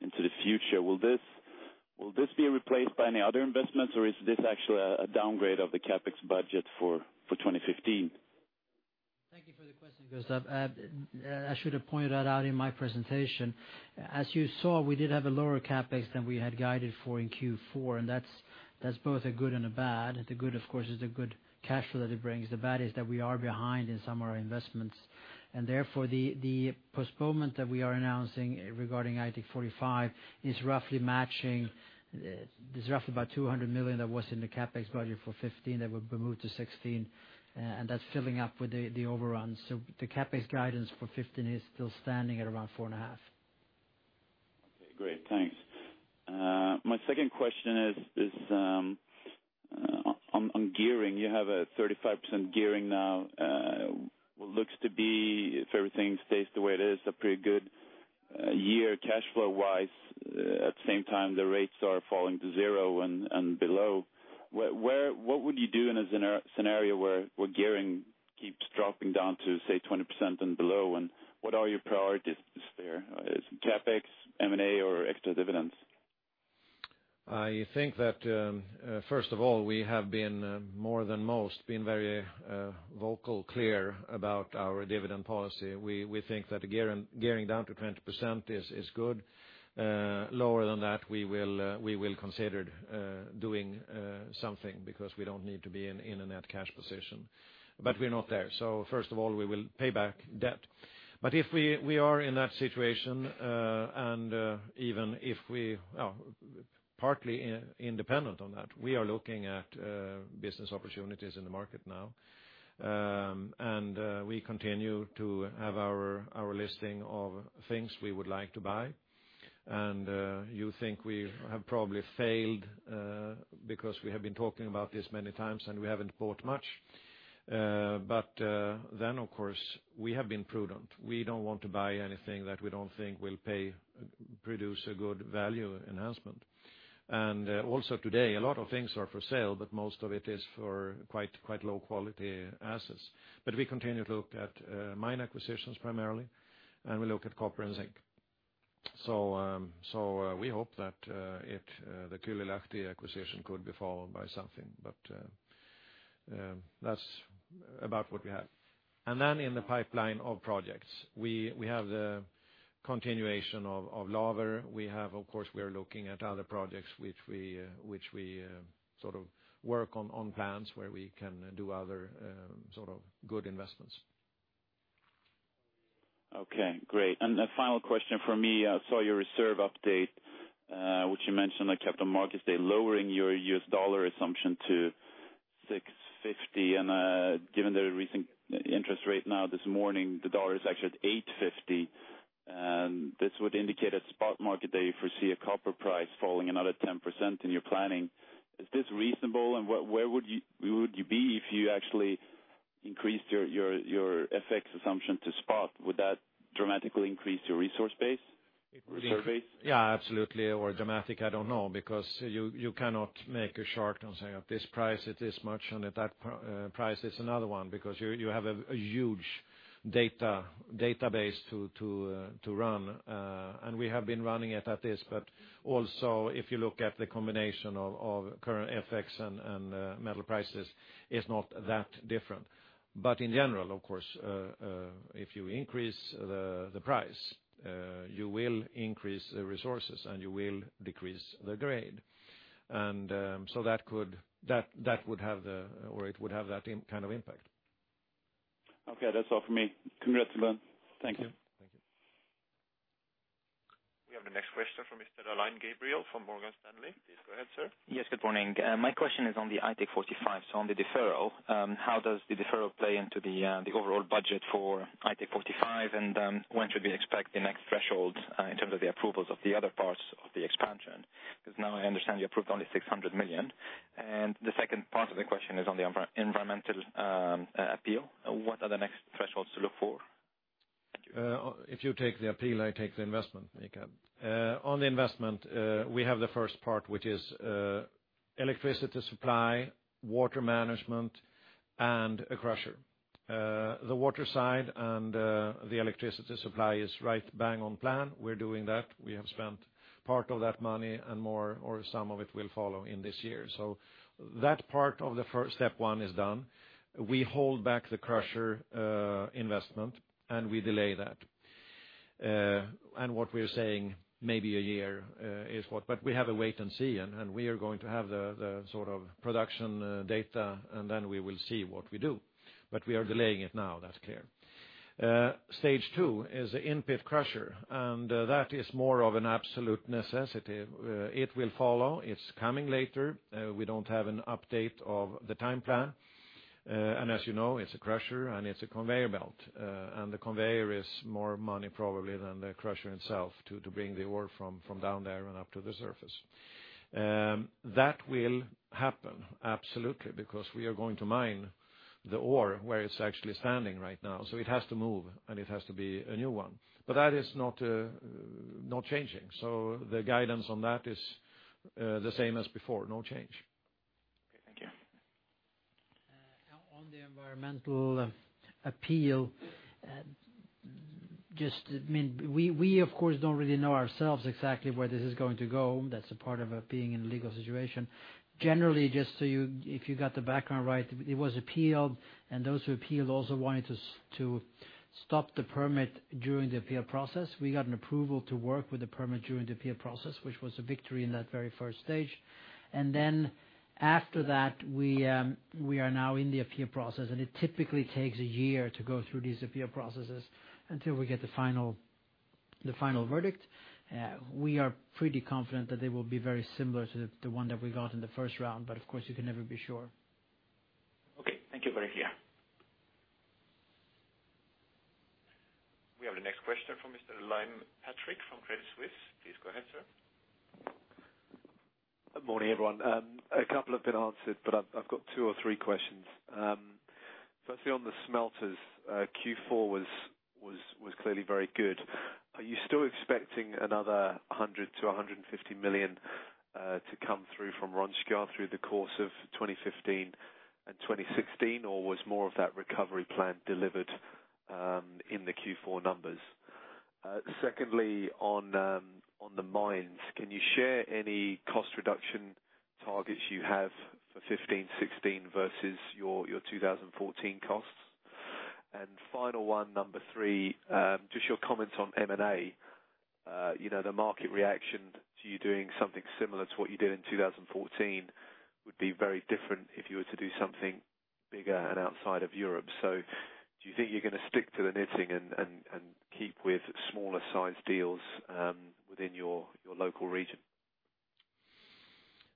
into the future. Will this be replaced by any other investments, or is this actually a downgrade of the CapEx budget for 2015? Thank you for the question, Gustav. I should have pointed that out in my presentation. As you saw, we did have a lower CapEx than we had guided for in Q4, and that's both a good and a bad. The good, of course, is the good cash flow that it brings. The bad is that we are behind in some of our investments, and therefore, the postponement that we are announcing regarding Aitik 45 is roughly matching. There's roughly about 200 million that was in the CapEx budget for 2015 that will be moved to 2016, and that's filling up with the overruns. The CapEx guidance for 2015 is still standing at around four and a half. Okay, great. Thanks. My second question is on gearing. You have a 35% gearing now. What looks to be, if everything stays the way it is, a pretty good year cash flow wise. At the same time, the rates are falling to zero and below. What would you do in a scenario where gearing keeps dropping down to, say, 20% and below? What are your priorities there? Is it CapEx, M&A, or extra dividends? I think that, first of all, we have been more than most, been very vocal, clear about our dividend policy. We think that gearing down to 20% is good. Lower than that, we will consider doing something because we don't need to be in a net cash position. We're not there. First of all, we will pay back debt. If we are in that situation, and even if we are partly independent on that, we are looking at business opportunities in the market now. We continue to have our listing of things we would like to buy. You think we have probably failed because we have been talking about this many times, and we haven't bought much. Of course, we have been prudent. We don't want to buy anything that we don't think will produce a good value enhancement. Also today, a lot of things are for sale, but most of it is for quite low-quality assets. We continue to look at mine acquisitions primarily, and we look at copper and zinc. We hope that the Kylylahti acquisition could be followed by something, but that's about what we have. In the pipeline of projects, we have the continuation of Laver. Of course, we are looking at other projects which we sort of work on plans where we can do other sort of good investments. Okay, great. A final question from me. I saw your reserve update, which you mentioned on Capital Markets Day, lowering your US dollar assumption to $650. Given the recent interest rate now this morning, the dollar is actually at $850. This would indicate at spot market that you foresee a copper price falling another 10% in your planning. Is this reasonable, and where would you be if you actually increased your FX assumption to spot? Would that dramatically increase your resource base or survey? Yeah, absolutely, or dramatic, I don't know, because you cannot make a chart and say, at this price it is much, and at that price it's another one, because you have a huge database to run. We have been running it at this, but also if you look at the combination of current FX and metal prices, it's not that different. In general, of course, if you increase the price, you will increase the resources, and you will decrease the grade. That would have or it would have that kind of impact. Okay, that's all from me. Congrats, Lennart. Thank you. Thank you. We have the next question from Mr. Alain Gabriel from Morgan Stanley. Please go ahead, sir. Yes, good morning. My question is on the Aitik 45, so on the deferral. How does the deferral play into the overall budget for Aitik 45, and when should we expect the next threshold in terms of the approvals of the other parts of the expansion? Because now I understand you approved only 600 million. The second part of the question is on the environmental appeal. What are the next thresholds to look for? If you take the appeal, I take the investment, Mika. On the investment, we have the first part, which is electricity supply, water management, and a crusher. The water side and the electricity supply is right bang on plan. We're doing that. We have spent part of that money, and more or some of it will follow in this year. That part of the step 1 is done. We hold back the crusher investment, we delay that. What we're saying maybe a year is what, we have a wait and see, we are going to have the sort of production data, then we will see what we do. We are delaying it now, that's clear. Stage 2 is the in-pit crusher, that is more of an absolute necessity. It will follow. It's coming later. We don't have an update of the time plan. As you know, it's a crusher, it's a conveyor belt. The conveyor is more money probably than the crusher itself to bring the ore from down there and up to the surface. That will happen absolutely because we are going to mine the ore where it's actually standing right now. It has to move, it has to be a new one. That is not changing. The guidance on that is the same as before, no change. Environmental appeal. We, of course, don't really know ourselves exactly where this is going to go. That's a part of being in a legal situation. Generally, if you got the background right, it was appealed, and those who appealed also wanted to stop the permit during the appeal process. We got an approval to work with the permit during the appeal process, which was a victory in that very first stage. Then after that, we are now in the appeal process, it typically takes a year to go through these appeal processes until we get the final verdict. We are pretty confident that it will be very similar to the one that we got in the first round, of course, you can never be sure. Okay. Thank you very much. We have the next question from Mr. Liam Fitzpatrick from Credit Suisse. Please go ahead, sir. Good morning, everyone. A couple have been answered, but I've got two or three questions. Firstly, on the smelters, Q4 was clearly very good. Are you still expecting another 100 million-150 million to come through from Rönnskär through the course of 2015 and 2016, or was more of that recovery plan delivered in the Q4 numbers? Secondly, on the mines, can you share any cost reduction targets you have for 2015, 2016 versus your 2014 costs? Final one, number 3, just your comments on M&A. The market reaction to you doing something similar to what you did in 2014 would be very different if you were to do something bigger and outside of Europe. Do you think you're going to stick to the knitting and keep with smaller-sized deals within your local region?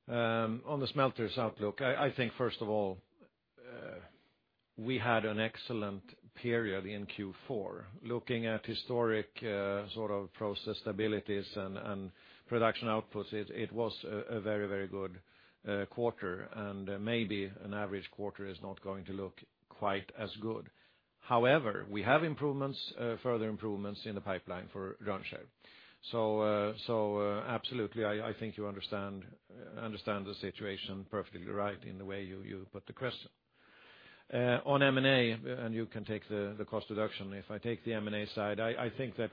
On the smelters outlook, I think, first of all, we had an excellent period in Q4. Looking at historic process stabilities and production outputs, it was a very good quarter, and maybe an average quarter is not going to look quite as good. However, we have further improvements in the pipeline for Rönnskär. Absolutely, I think you understand the situation perfectly right in the way you put the question. On M&A, you can take the cost reduction. If I take the M&A side, I think that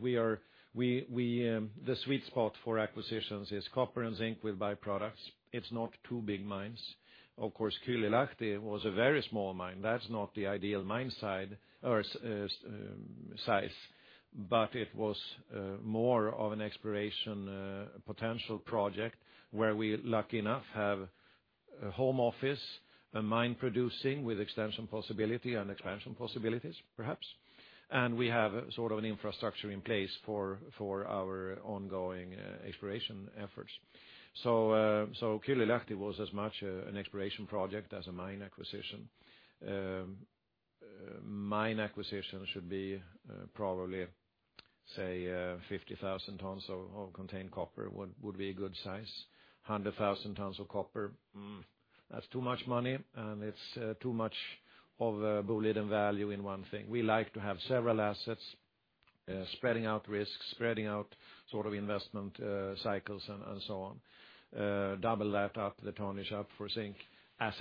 the sweet spot for acquisitions is copper and zinc with byproducts. It's not two big mines. Of course, Kylylahti was a very small mine. That's not the ideal mine size, but it was more of an exploration potential project where we lucky enough have a home office, a mine producing with expansion possibility and expansion possibilities, perhaps. We have an infrastructure in place for our ongoing exploration efforts. Kylylahti was as much an exploration project as a mine acquisition. Mine acquisition should be probably, say 50,000 tons of contained copper would be a good size, 100,000 tons of copper. That's too much money, and it's too much of a Boliden value in one thing. We like to have several assets, spreading out risks, spreading out investment cycles and so on. Double that up the tonnage up for zinc as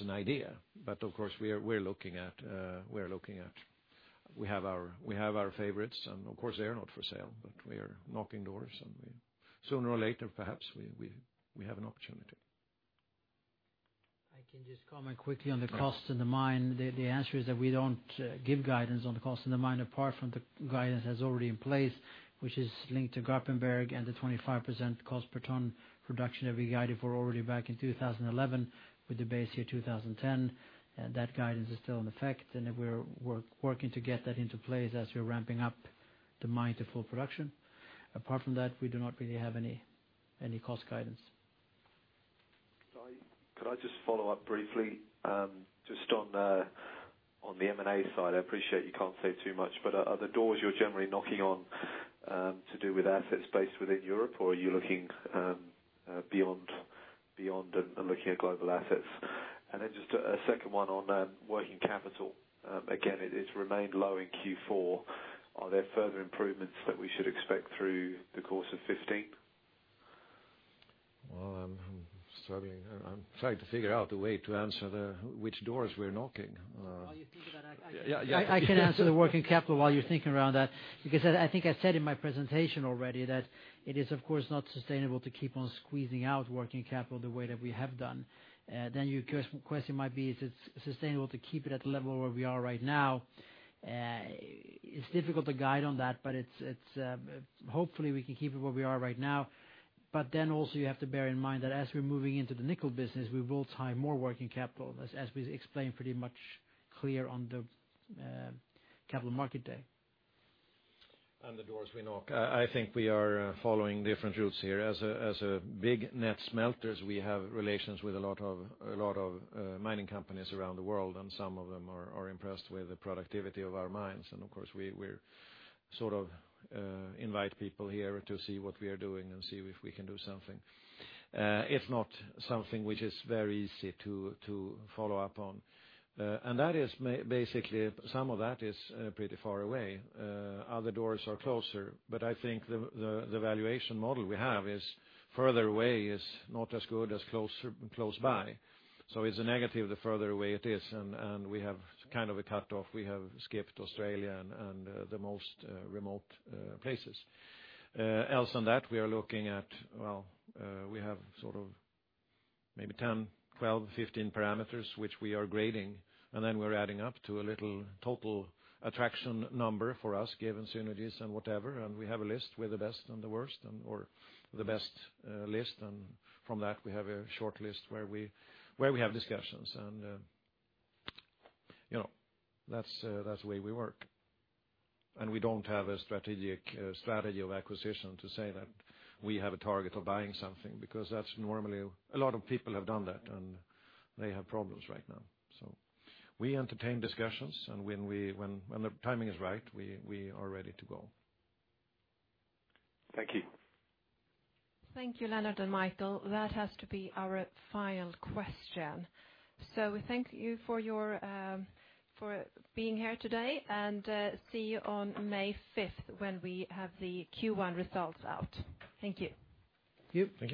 an idea. Of course, we're looking at. We have our favorites, and of course, they are not for sale, but we are knocking doors, and sooner or later, perhaps we have an opportunity. I can just comment quickly on the cost in the mine. The answer is that we don't give guidance on the cost in the mine apart from the guidance that's already in place, which is linked to Garpenberg and the 25% cost per ton production that we guided for already back in 2011 with the base year 2010. That guidance is still in effect, and we're working to get that into place as we're ramping up the mine to full production. Apart from that, we do not really have any cost guidance. Could I just follow up briefly? Just on the M&A side, I appreciate you can't say too much, but are the doors you're generally knocking on to do with assets based within Europe, or are you looking beyond and looking at global assets? Just a second one on working capital. Again, it's remained low in Q4. Are there further improvements that we should expect through the course of 2015? I'm trying to figure out a way to answer which doors we're knocking. While you think about it, I can answer the working capital while you're thinking around that, because I think I said in my presentation already that it is, of course, not sustainable to keep on squeezing out working capital the way that we have done. Your question might be, is it sustainable to keep it at the level where we are right now? It's difficult to guide on that, hopefully, we can keep it where we are right now. Also you have to bear in mind that as we're moving into the nickel business, we will tie more working capital, as we explained pretty much clear on the Capital Markets Day. On the doors we knock. I think we are following different routes here. As a big net smelters, we have relations with a lot of mining companies around the world, some of them are impressed with the productivity of our mines. Of course, we invite people here to see what we are doing and see if we can do something. It's not something which is very easy to follow up on. That is basically, some of that is pretty far away. Other doors are closer, but I think the valuation model we have is further away is not as good as close by. It's a negative the further away it is, and we have kind of a cut-off. We have skipped Australia and the most remote places. Else on that, we are looking at, well, we have maybe 10, 12, 15 parameters which we are grading, then we're adding up to a little total attraction number for us, given synergies and whatever. We have a list with the best and the worst or the best list. From that, we have a shortlist where we have discussions, and that's the way we work. We don't have a strategy of acquisition to say that we have a target of buying something, because that's normally a lot of people have done that, and they have problems right now. We entertain discussions, and when the timing is right, we are ready to go. Thank you. Thank you, Lennart and Mikael. That has to be our final question. We thank you for being here today, and see you on May 5th when we have the Q1 results out. Thank you. Thank you.